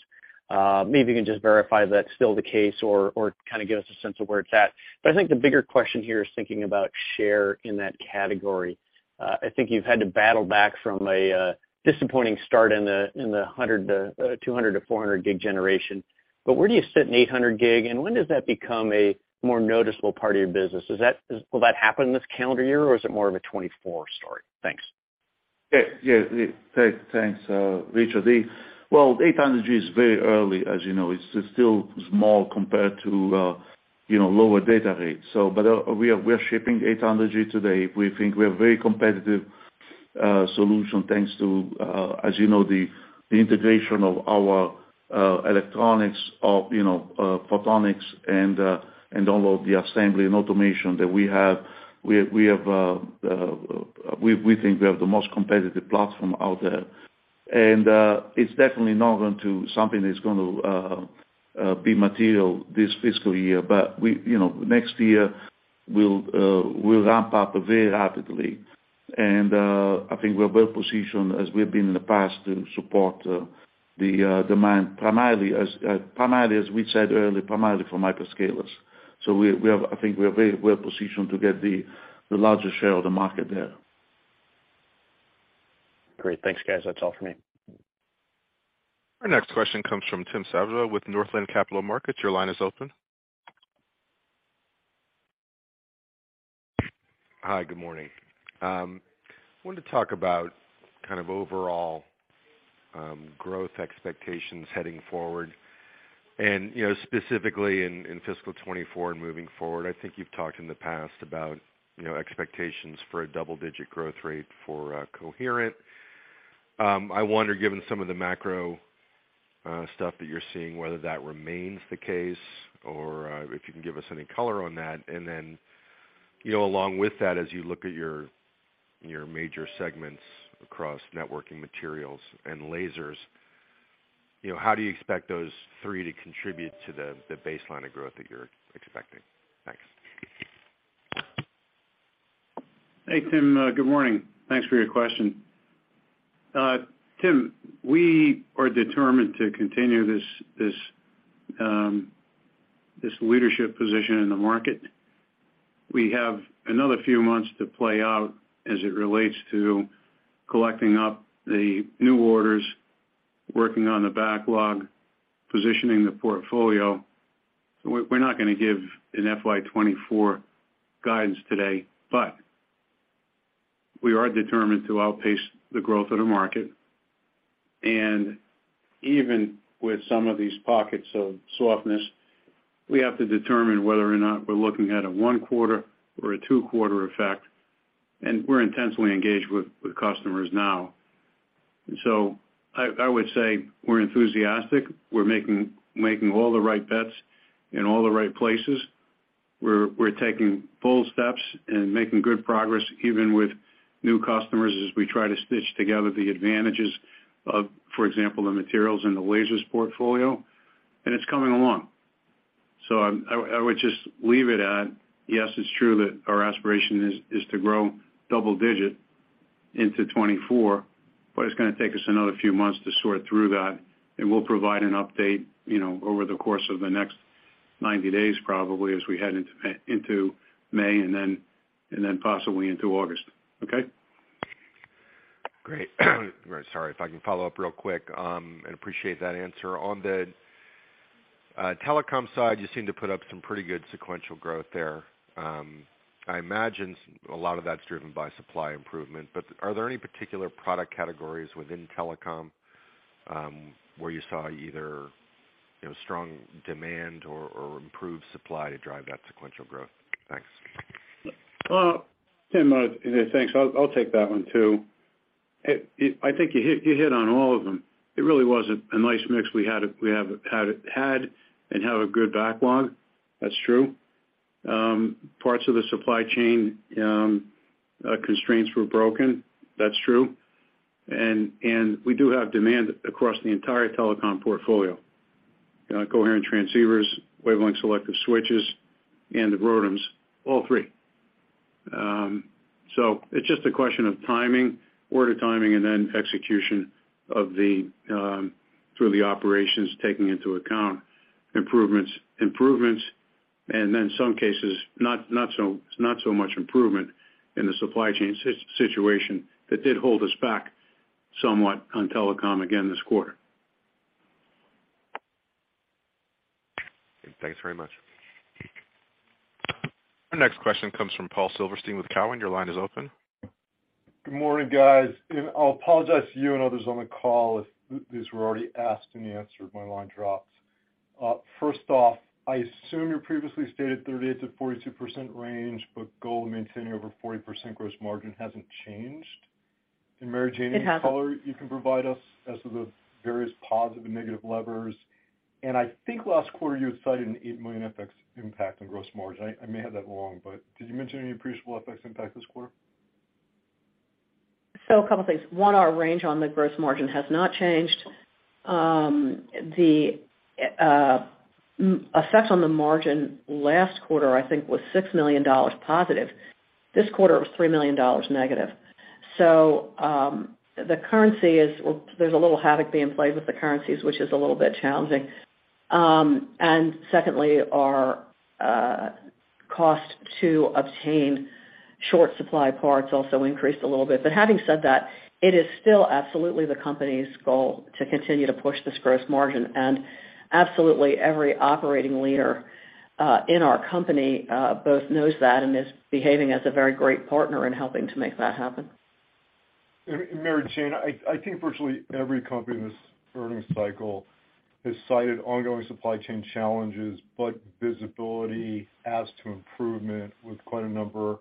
Maybe you can just verify that's still the case or kind of give us a sense of where it's at. I think the bigger question here is thinking about share in that category. I think you've had to battle back from a disappointing start in the, in the 100, 200 to 400 gig generation. Where do you sit in 800 gig, and when does that become a more noticeable part of your business? Will that happen this calendar year, or is it more of a 2024 story? Thanks. Yeah, yeah. Thanks, Richard. Well, 800G is very early, as you know. It's still small compared to, you know, lower data rates. We are shipping 800G today. We think we're a very competitive solution, thanks to, as you know, the integration of our electronics of, you know, photonics and all of the assembly and automation that we have. We have, we think we have the most competitive platform out there. It's definitely not going to something that's gonna be material this fiscal year. You know, next year we'll ramp up very rapidly. I think we're well positioned as we've been in the past to support, the, demand primarily as, primarily, as we said earlier, primarily for micro scalers. We, I think we are very well positioned to get the largest share of the market there. Great. Thanks, guys. That's all for me. Our next question comes from Tim Savageaux with Northland Capital Markets. Your line is open. Hi, good morning. wanted to talk about kind of overall, growth expectations heading forward. You know, specifically in fiscal 24 and moving forward, I think you've talked in the past about, you know, expectations for a double-digit growth rate for Coherent. I wonder, given some of the macro, stuff that you're seeing, whether that remains the case or, if you can give us any color on that. You know, along with that, as you look at your major segments across networking materials and lasers, you know, how do you expect those three to contribute to the baseline of growth that you're expecting? Thanks. Hey, Tim. Good morning. Thanks for your question. Tim, we are determined to continue this leadership position in the market. We have another few months to play out as it relates to collecting up the new orders, working on the backlog, positioning the portfolio. We're not gonna give an FY24 guidance today, but we are determined to outpace the growth of the market. Even with some of these pockets of softness, we have to determine whether or not we're looking at a 1 quarter or a 2 quarters effect, and we're intensely engaged with customers now. I would say we're enthusiastic. We're making all the right bets in all the right places. We're taking bold steps and making good progress even with new customers as we try to stitch together the advantages of, for example, the materials in the lasers portfolio, and it's coming along. I would just leave it at, yes, it's true that our aspiration is to grow double-digit into 2024. It's gonna take us another few months to sort through that. We'll provide an update, you know, over the course of the next 90 days probably as we head into May and then possibly into August. Okay? Great. Sorry, if I can follow up real quick, appreciate that answer. On the telecom side, you seem to put up some pretty good sequential growth there. I imagine a lot of that's driven by supply improvement, but are there any particular product categories within telecom where you saw either, you know, strong demand or improved supply to drive that sequential growth? Thanks. Well, Tim, thanks. I'll take that one too. I think you hit on all of them. It really was a nice mix we have had, and have a good backlog. That's true. Parts of the supply chain constraints were broken. That's true. We do have demand across the entire telecom portfolio. Coherent transceivers, wavelength selective switches, and the ROADMs, all three. It's just a question of timing, order timing, and then execution of the through the operations, taking into account improvements, and in some cases, not so much improvement in the supply chain situation that did hold us back somewhat on telecom again this quarter. Thanks very much. Our next question comes from Paul Silverstein with Cowen. Your line is open. Good morning, guys. I'll apologize to you and others on the call if these were already asked and answered, my line dropped. First off, I assume your previously stated 38%-42% range, but goal of maintaining over 40% gross margin hasn't changed. Mary Jane... It hasn't.... any color you can provide us as to the various positive and negative levers. I think last quarter you had cited a $8 million FX impact on gross margin. I may have that wrong, but did you mention any appreciable FX impact this quarter? A couple things. One, our range on the gross margin has not changed. The effect on the margin last quarter, I think was $6 million positive. This quarter, it was $3 million negative. The currency is, there's a little havoc being played with the currencies, which is a little bit challenging. And secondly, our cost to obtain short supply parts also increased a little bit. Having said that, it is still absolutely the company's goal to continue to push this gross margin. Absolutely every operating leader in our company both knows that and is behaving as a very great partner in helping to make that happen. Mary Jane, I think virtually every company in this earnings cycle has cited ongoing supply chain challenges, but visibility as to improvement with quite a number,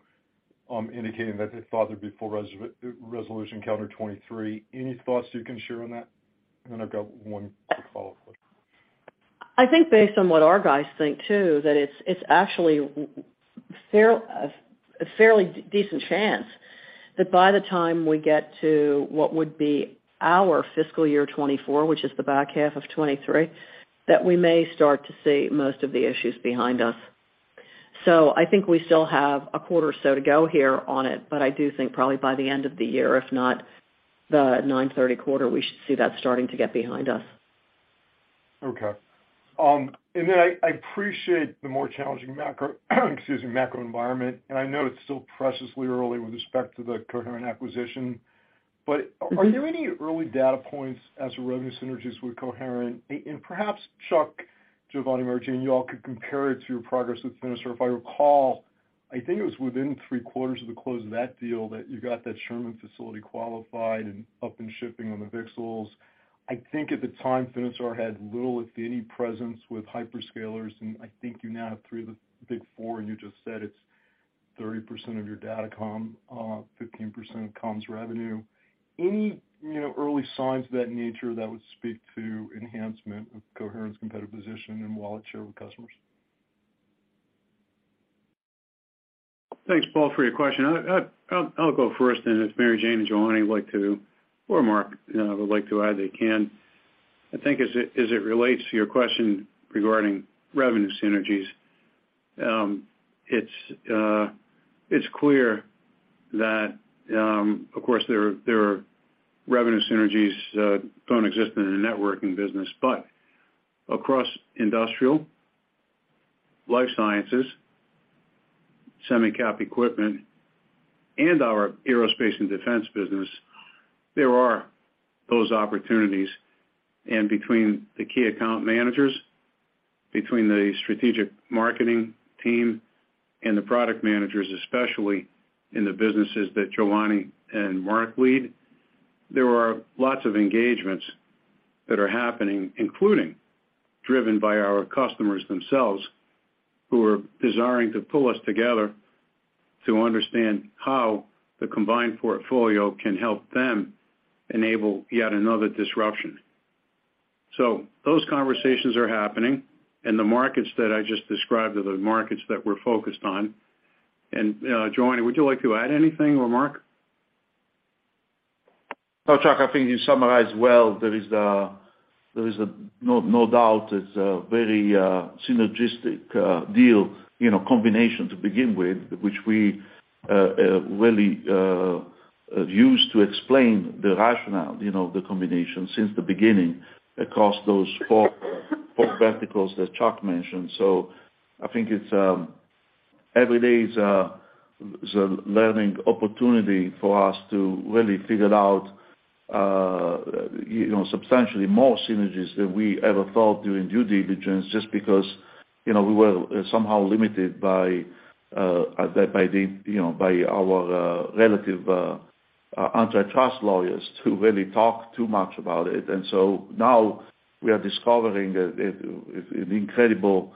indicating that they thought there'd be full resolution calendar 2023. Any thoughts you can share on that? I've got one follow-up. I think based on what our guys think, too, that it's actually a fairly decent chance that by the time we get to what would be our fiscal year 2024, which is the back half of 2023, that we may start to see most of the issues behind us. I think we still have a quarter or so to go here on it, but I do think probably by the end of the year, if not the 930 quarter, we should see that starting to get behind us. Okay. I appreciate the more challenging macro environment, and I know it's still preciously early with respect to the Coherent acquisition. But are there any early data points as to revenue synergies with Coherent? Perhaps Chuck, Giovanni, Mary Jane, you all could compare it to your progress with Finisar. If I recall, I think it was within three quarters of the close of that deal that you got that Sherman facility qualified and up and shipping on the VCSELs. I think at the time, Finisar had little, if any, presence with hyperscalers, and I think you now have three of the big four, and you just said it's 30% of your datacom, 15% of comms revenue. Any, you know, early signs of that nature that would speak to enhancement of Coherent's competitive position and wallet share with customers? Thanks, Paul, for your question. I'll go first, and if Mary Jane and Giovanni would like to, or Mark, would like to add, they can. I think as it relates to your question regarding revenue synergies, it's clear that, of course, there are revenue synergies, don't exist in the networking business. Across industrial, life sciences, semi cap equipment, and our aerospace and defense business, there are those opportunities. Between the key account managers, between the strategic marketing team, and the product managers, especially in the businesses that Giovanni and Mark lead, there are lots of engagements that are happening, including driven by our customers themselves, who are desiring to pull us together to understand how the combined portfolio can help them enable yet another disruption. Those conversations are happening, and the markets that I just described are the markets that we're focused on. Giovanni, would you like to add anything, or Mark? No, Chuck, I think you summarized well. There is no doubt it's a very synergistic deal, you know, combination to begin with, which we really used to explain the rationale, you know, the combination since the beginning across those four verticals that Chuck mentioned. I think it's. Every day is a learning opportunity for us to really figure out, you know, substantially more synergies than we ever thought during due diligence, just because, you know, we were somehow limited by the, you know, by our relative antitrust lawyers to really talk too much about it. Now we are discovering a, an incredible,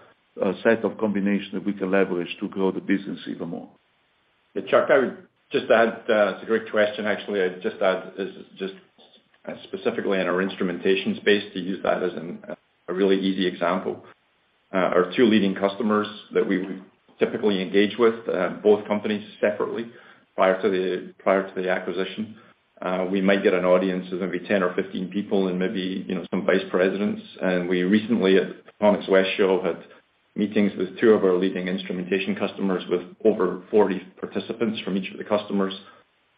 set of combinations that we can leverage to grow the business even more. Yeah, Chuck, I would just add, it's a great question, actually. I'd just add this just specifically in our instrumentation space, to use that as a really easy example. Our two leading customers that we would typically engage with, both companies separately prior to the acquisition, we might get an audience of maybe 10 or 15 people and maybe, you know, some vice presidents. We recently, at Photonics West show, had meetings with two of our leading instrumentation customers with over 40 participants from each of the customers.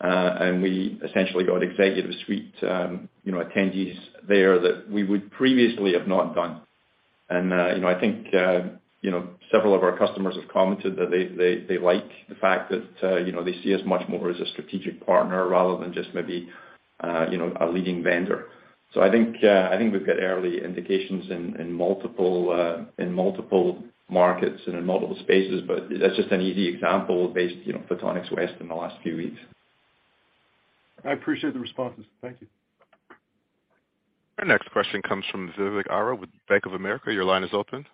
We essentially got executive suite, you know, attendees there that we would previously have not done. You know, I think, you know, several of our customers have commented that they, they like the fact that, you know, they see us much more as a strategic partner rather than just maybe, you know, a leading vendor. I think, I think we've got early indications in multiple, in multiple markets and in multiple spaces, but that's just an easy example based, you know, Photonics West in the last few weeks. I appreciate the responses. Thank you. Our next question comes from Vivek Arya with Bank of America. Your line is open.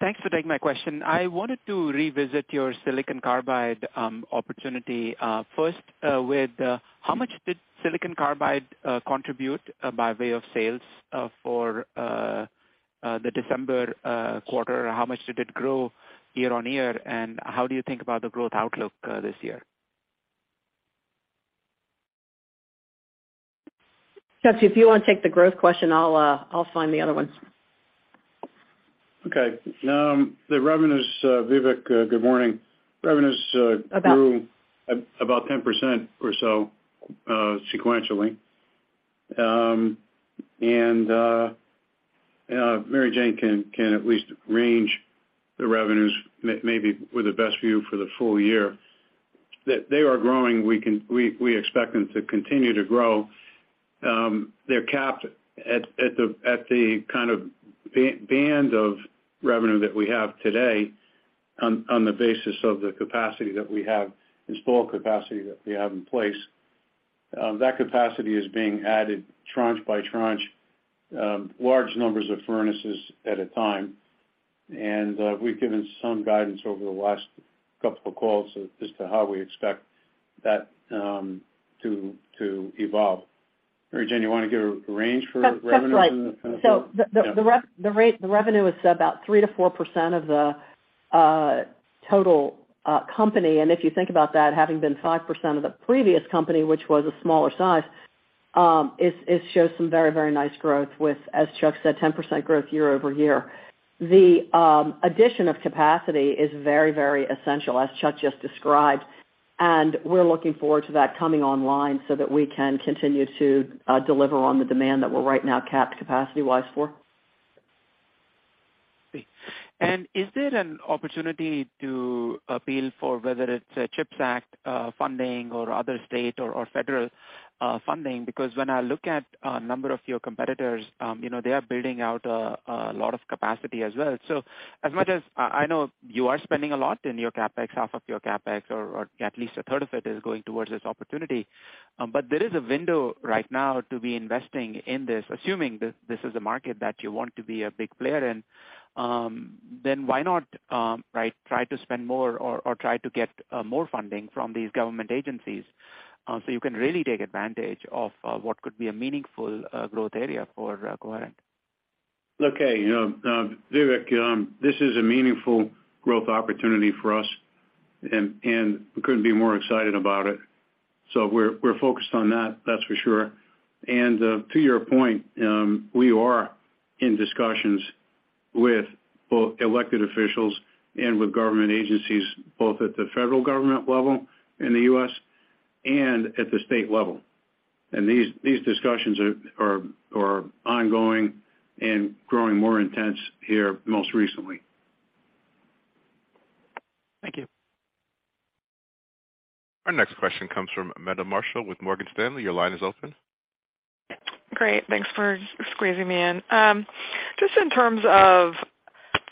Thanks for taking my question. I wanted to revisit your silicon carbide opportunity. First, with how much did silicon carbide contribute by way of sales for the December quarter? How much did it grow year-on-year, and how do you think about the growth outlook this year? Chuck, if you wanna take the growth question, I'll find the other ones. Okay. The revenues, Vivek, good morning. About... grew about 10% or so, sequentially. Mary Jane can at least range the revenues maybe with the best view for the full year. They are growing. We expect them to continue to grow. They're capped at the kind of band of revenue that we have today on the basis of the capacity that we have, install capacity that we have in place. That capacity is being added tranche by tranche, large numbers of furnaces at a time. We've given some guidance over the last couple of calls as to how we expect that to evolve. Mary Jane, you wanna give a range for revenues and kind of? That's right. The revenue is about 3%-4% of the total company. If you think about that, having been 5% of the previous company, which was a smaller size, it shows some very, very nice growth with, as Chuck said, 10% growth year-over-year. The addition of capacity is very, very essential, as Chuck just described, and we're looking forward to that coming online so that we can continue to deliver on the demand that we're right now capped capacity-wise for. Is there an opportunity to appeal for whether it's CHIPS Act funding or other state or federal funding? When I look at a number of your competitors, you know, they are building out a lot of capacity as well. As much as I know you are spending a lot in your CapEx, half of your CapEx or at least a third of it is going towards this opportunity, but there is a window right now to be investing in this, assuming this is a market that you want to be a big player in, then why not, right, try to spend more or try to get more funding from these government agencies, so you can really take advantage of what could be a meaningful growth area for Coherent? Look, you know, Vivek, this is a meaningful growth opportunity for us and we couldn't be more excited about it. We're focused on that's for sure. To your point, we are in discussions with both elected officials and with government agencies, both at the federal government level in the U.S. and at the state level. These discussions are ongoing and growing more intense here most recently. Thank you. Our next question comes from Meta Marshall with Morgan Stanley. Your line is open. Great, thanks for squeezing me in. Just in terms of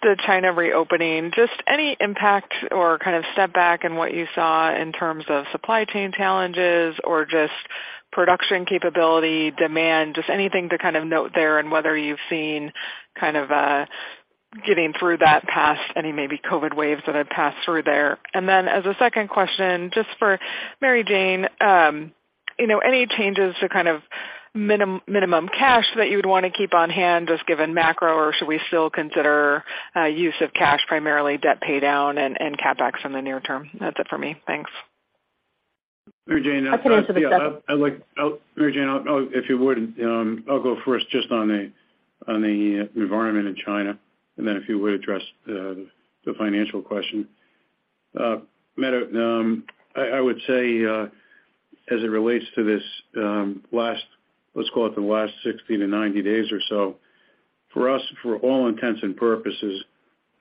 the China reopening, just any impact or kind of step back in what you saw in terms of supply chain challenges or just production capability, demand, just anything to kind of note there and whether you've seen kind of getting through that past any maybe COVID waves that have passed through there. As a second question, just for Mary Jane, you know, any changes to kind of minimum cash that you would wanna keep on hand just given macro, or should we still consider use of cash, primarily debt pay down and CapEx in the near term? That's it for me. Thanks. Mary Jane- I can answer the second. Yeah. Mary Jane, if you would, I'll go first just on the environment in China, and then if you would address the financial question. Meadow, I would say, as it relates to this, last, let's call it the last 60-90 days or so, for us, for all intents and purposes,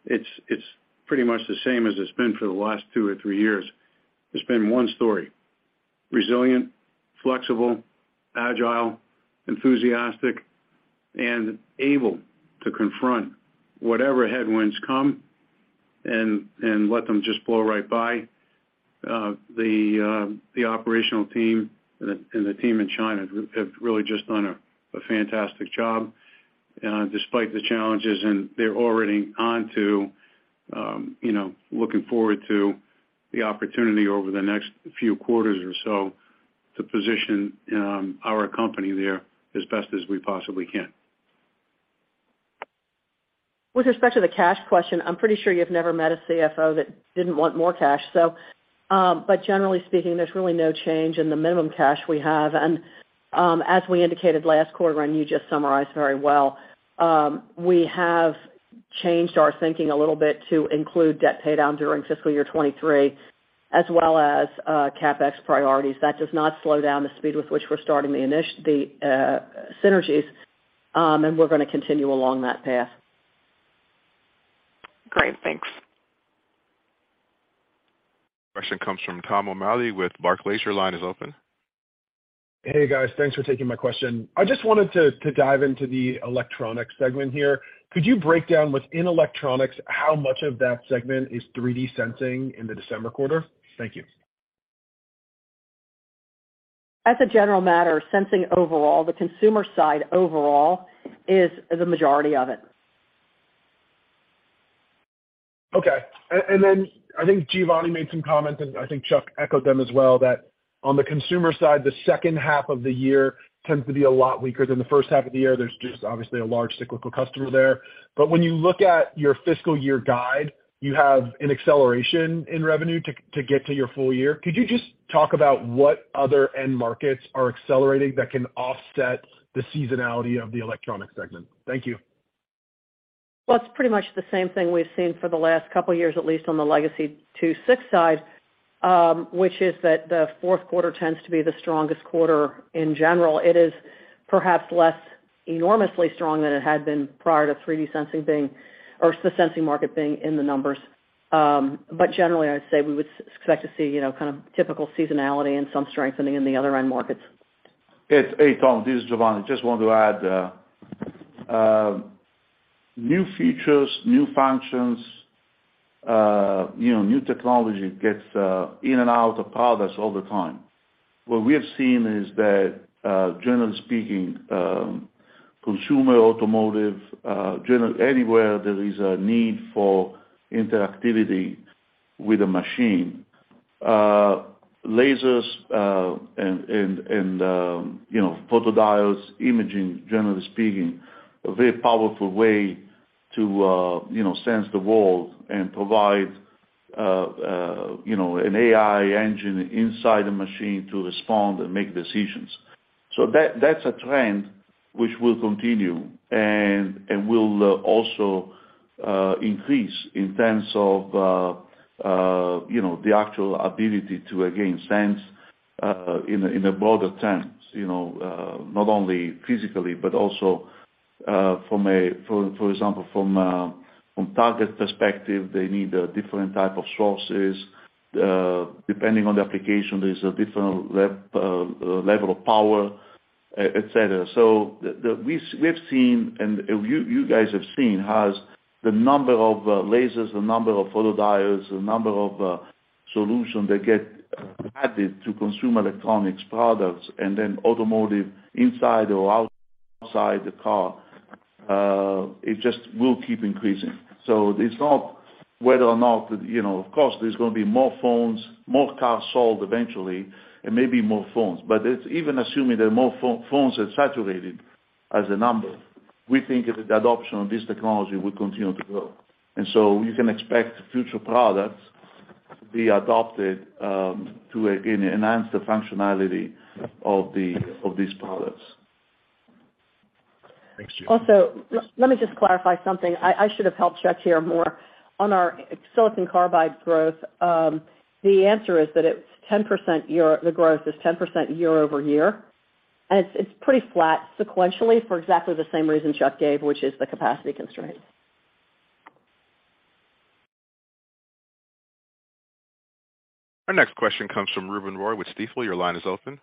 it's pretty much the same as it's been for the last two or three years. It's been one story, resilient, flexible, agile, enthusiastic, and able to confront whatever headwinds come and let them just blow right by. The operational team and the team in China have really just done a fantastic job despite the challenges, and they're already onto, you know, looking forward to the opportunity over the next few quarters or so to position our company there as best as we possibly can. With respect to the cash question, I'm pretty sure you've never met a CFO that didn't want more cash. But generally speaking, there's really no change in the minimum cash we have. As we indicated last quarter, and you just summarized very well, we have changed our thinking a little bit to include debt pay down during fiscal year 23 as well as CapEx priorities. That does not slow down the speed with which we're starting the synergies, and we're gonna continue along that path. Great. Thanks. Question comes from Tom O’Malley with Barclays, your line is open. Hey, guys. Thanks for taking my question. I just wanted to dive into the electronics segment here. Could you break down within electronics, how much of that segment is 3D sensing in the December quarter? Thank you. As a general matter, sensing overall, the consumer side overall is the majority of it. Okay. Then I think Giovanni made some comments, and I think Chuck echoed them as well, that on the consumer side, the H2 of the year tends to be a lot weaker than the H1 of the year. There's just obviously a large cyclical customer there. When you look at your fiscal year guide, you have an acceleration in revenue to get to your full year. Could you just talk about what other end markets are accelerating that can offset the seasonality of the electronic segment? Thank you. Well, it's pretty much the same thing we've seen for the last couple of years, at least on the legacy II-VI side, which is that the fourth quarter tends to be the strongest quarter in general. It is perhaps less enormously strong than it had been prior to 3D sensing being or the sensing market being in the numbers. Generally, I'd say we would expect to see, you know, kind of typical seasonality and some strengthening in the other end markets. Hey, Tom, this is Giovanni. Just want to add, new features, new functions, you know, new technology gets in and out of products all the time. What we have seen is that, generally speaking, consumer automotive, general anywhere there is a need for interactivity with a machine, lasers, and, you know, photodiodes imaging, generally speaking, a very powerful way to, you know, sense the world and provide, you know, an AI engine inside the machine to respond and make decisions. That-that's a trend which will continue and will also increase in terms of, you know, the actual ability to, again, sense in a, in a broader sense, you know, not only physically, but also, for example, from target perspective, they need a different type of sources. Depending on the application, there's a different level of power, et cetera. We've seen, and you guys have seen, has the number of lasers, the number of photodiodes, the number of solution that get added to consumer electronics products, and then automotive inside or outside the car, it just will keep increasing. It's not whether or not, you know, of course, there's gonna be more phones, more cars sold eventually, and maybe more phones. It's even assuming that more phones are saturated as a number, we think that the adoption of this technology will continue to grow. You can expect future products to be adopted, to enhance the functionality of these products. Thanks, Giovanni. Let me just clarify something. I should have helped Chuck here more. On our silicon carbide growth, the answer is that the growth is 10% year-over-year, and it's pretty flat sequentially for exactly the same reason Chuck gave, which is the capacity constraint. Our next question comes from Ruben Roy with Stifel. Your line is open.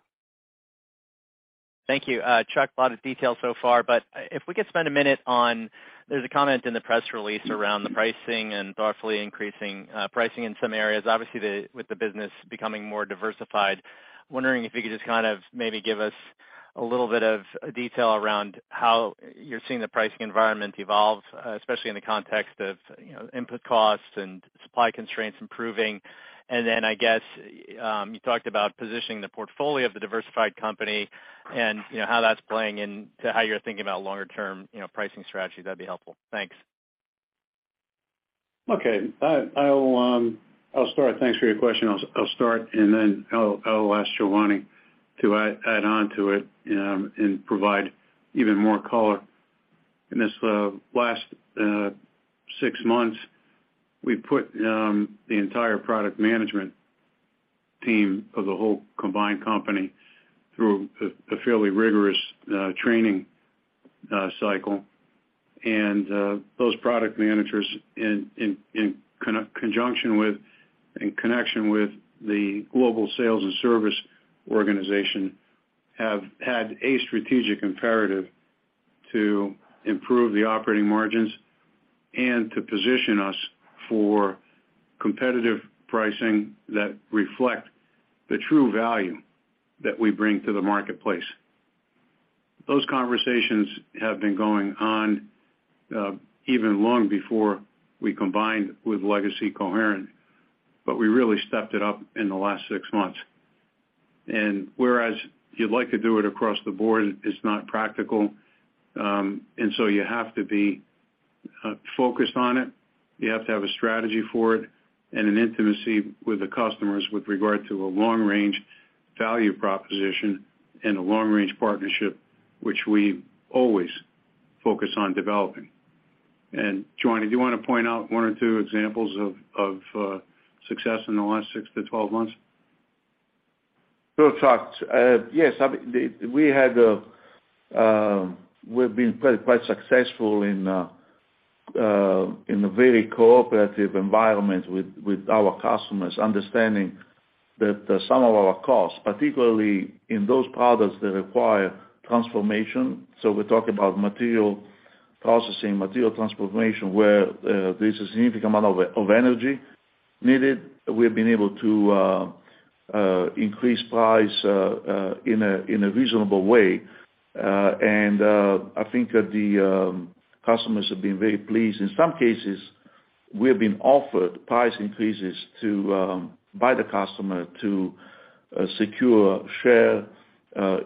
Thank you. Chuck, a lot of detail so far. If we could spend a minute on there's a comment in the press release around the pricing and thoughtfully increasing pricing in some areas. Obviously, with the business becoming more diversified. Wondering if you could just kind of maybe give us a little bit of detail around how you're seeing the pricing environment evolve, especially in the context of, you know, input costs and supply constraints improving? Then, I guess, you talked about positioning the portfolio of the diversified company and, you know, how that's playing into how you're thinking about longer term, you know, pricing strategy? That'd be helpful. Thanks. Okay. I'll start. Thanks for your question. I'll start, and then I'll ask Giovanni to add on to it, and provide even more color. In this last six months, we put the entire product management team of the whole combined company through a fairly rigorous training cycle. Those product managers in conjunction with, in connection with the global sales and service organization have had a strategic imperative to improve the operating margins and to position us for competitive pricing that reflect the true value that we bring to the marketplace. Those conversations have been going on even long before we combined with legacy Coherent, but we really stepped it up in the last six months. Whereas you'd like to do it across the board, it's not practical, and so you have to be focused on it. You have to have a strategy for it and an intimacy with the customers with regard to a long range value proposition and a long range partnership, which we always focus on developing. Giovanni, do you wanna point out one or two examples of success in the last six to 12 months? Sure. In fact, yes, I mean, we had, we've been quite successful in a very cooperative environment with our customers understanding that some of our costs, particularly in those products that require transformation. We talk about material processing, material transformation, where there's a significant amount of energy needed. We have been able to increase price in a reasonable way. I think that the customers have been very pleased. In some cases, we have been offered price increases to by the customer to secure share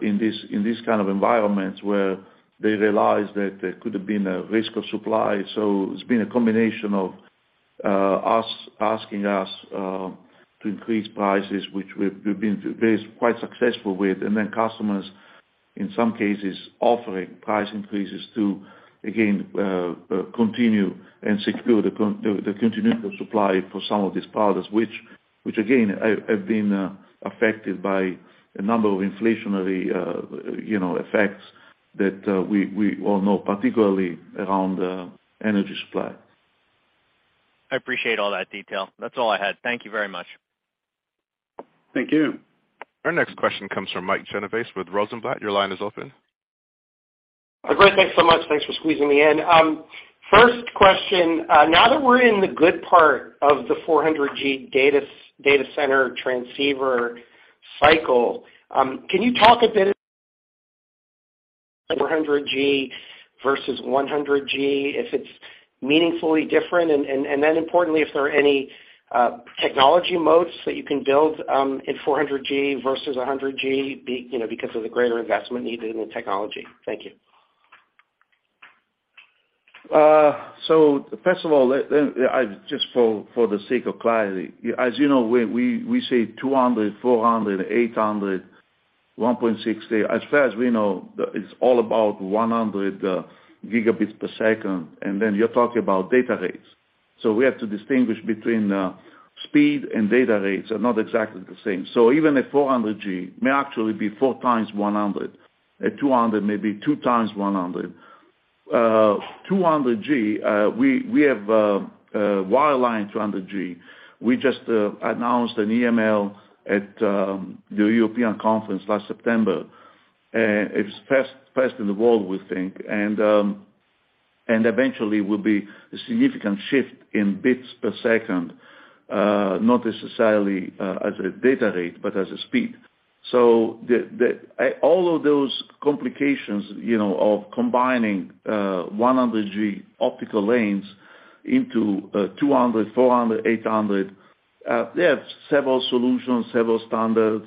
in this kind of environment where they realize that there could have been a risk of supply. It's been a combination of us asking us to increase prices, which we've been very, quite successful with. Customers, in some cases offering price increases to again, continue and secure the continuity of supply for some of these products which again, have been affected by a number of inflationary, you know, effects that we all know, particularly around energy supply. I appreciate all that detail. That's all I had. Thank you very much. Thank you. Our next question comes from Mike Genovese with Rosenblatt. Your line is open. Great. Thanks so much. Thanks for squeezing me in. First question, now that we're in the good part of the 400G data center transceiver cycle, can you talk a bit 400G versus 100G, if it's meaningfully different? Importantly, if there are any technology moats that you can build, in 400G versus 100G you know, because of the greater investment needed in the technology. Thank you. First of all, let me just for the sake of clarity, as you know, we say 200, 400, 800, 1.6. As far as we know, it's all about 100 gigabits per second. You're talking about data rates. We have to distinguish between speed and data rates are not exactly the same. Even a 400G may actually be 4 times 100. A 200 may be 2 times 100. 200G, we have wireline 200G. We just announced an EML at the European conference last September. It's first in the world, we think. Eventually will be a significant shift in bits per second, not necessarily as a data rate, but as a speed. The, the all of those complications, you know, of combining 100 G optical lanes into 200, 400, 800, they have several solutions, several standards.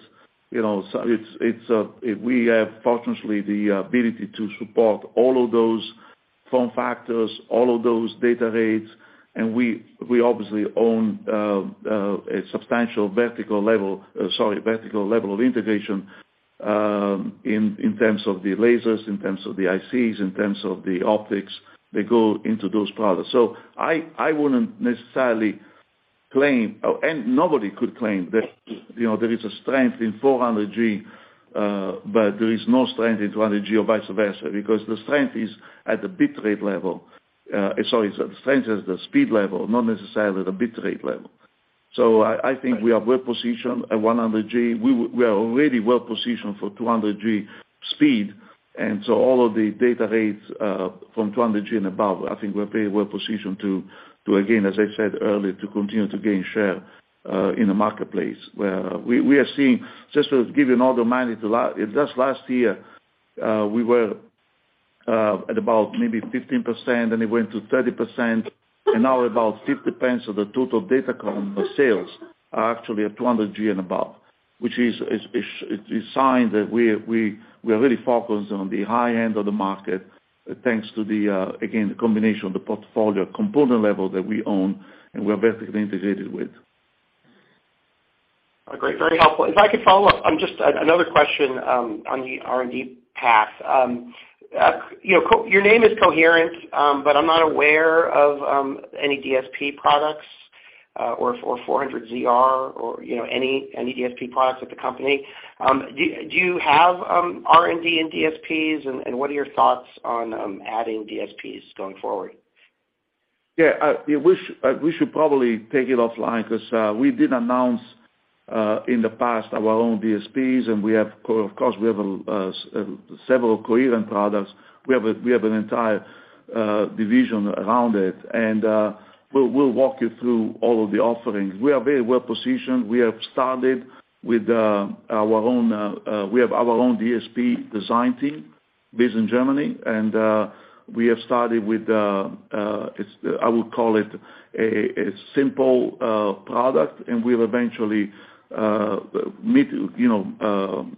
You know, so it's, we have fortunately the ability to support all of those form factors, all of those data rates. We, we obviously own a substantial vertical level of integration, in terms of the lasers, in terms of the ICs, in terms of the optics that go into those products. I wouldn't necessarily claim, and nobody could claim that, you know, there is a strength in 400G, but there is no strength in 200G or vice versa, because the strength is at the bitrate level. Sorry, strength is the speed level, not necessarily the bitrate level. I think we are well positioned at 100G. We are already well positioned for 200G speed. All of the data rates from 200G and above, I think we're very well positioned to again, as I said earlier, to continue to gain share in the marketplace where we are seeing just to give you an order of magnitude, just last year, we were at about maybe 15% and it went to 30% and now about 50% of the total data com sales are actually at 200G and above, which is a sign that we are really focused on the high end of the market, thanks to the again, the combination of the portfolio component level that we own and we are vertically integrated with. Okay, very helpful. I could follow up on just another question, on the R&D path. You know, your name is Coherent, but I'm not aware of any DSP products, or 400 ZR or, you know, any DSP products at the company. Do you have R&D and DSPs and what are your thoughts on adding DSPs going forward? Yeah, we should probably take it offline 'cause, we did announce, in the past our own DSPs, of course, we have several Coherent products. We have an entire division around it. We'll walk you through all of the offerings. We are very well-positioned. We have started with our own DSP design team based in Germany. We have started with, it's I would call it a simple product, and we'll eventually meet, you know,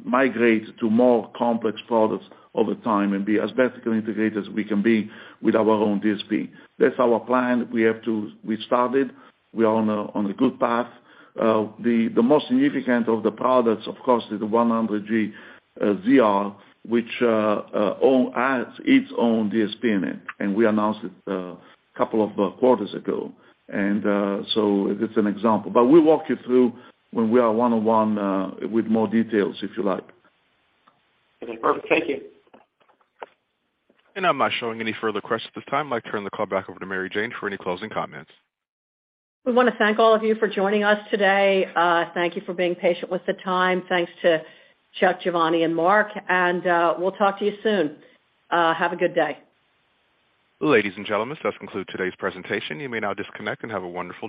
migrate to more complex products over time and be as vertically integrated as we can be with our own DSP. That's our plan. We started. We are on a good path. The most significant of the products, of course, is the 100G ZR, which has its own DSP in it, and we announced it couple of quarters ago. It's an example. We'll walk you through when we are one-on-one with more details, if you like. Okay, perfect. Thank you. I'm not showing any further questions at this time. I'd like to turn the call back over to Mary Jane for any closing comments. We wanna thank all of you for joining us today. Thank you for being patient with the time. Thanks to Chuck, Giovanni and Mark, and we'll talk to you soon. Have a good day. Ladies and gentlemen, this does conclude today's presentation. You may now disconnect and have a wonderful day.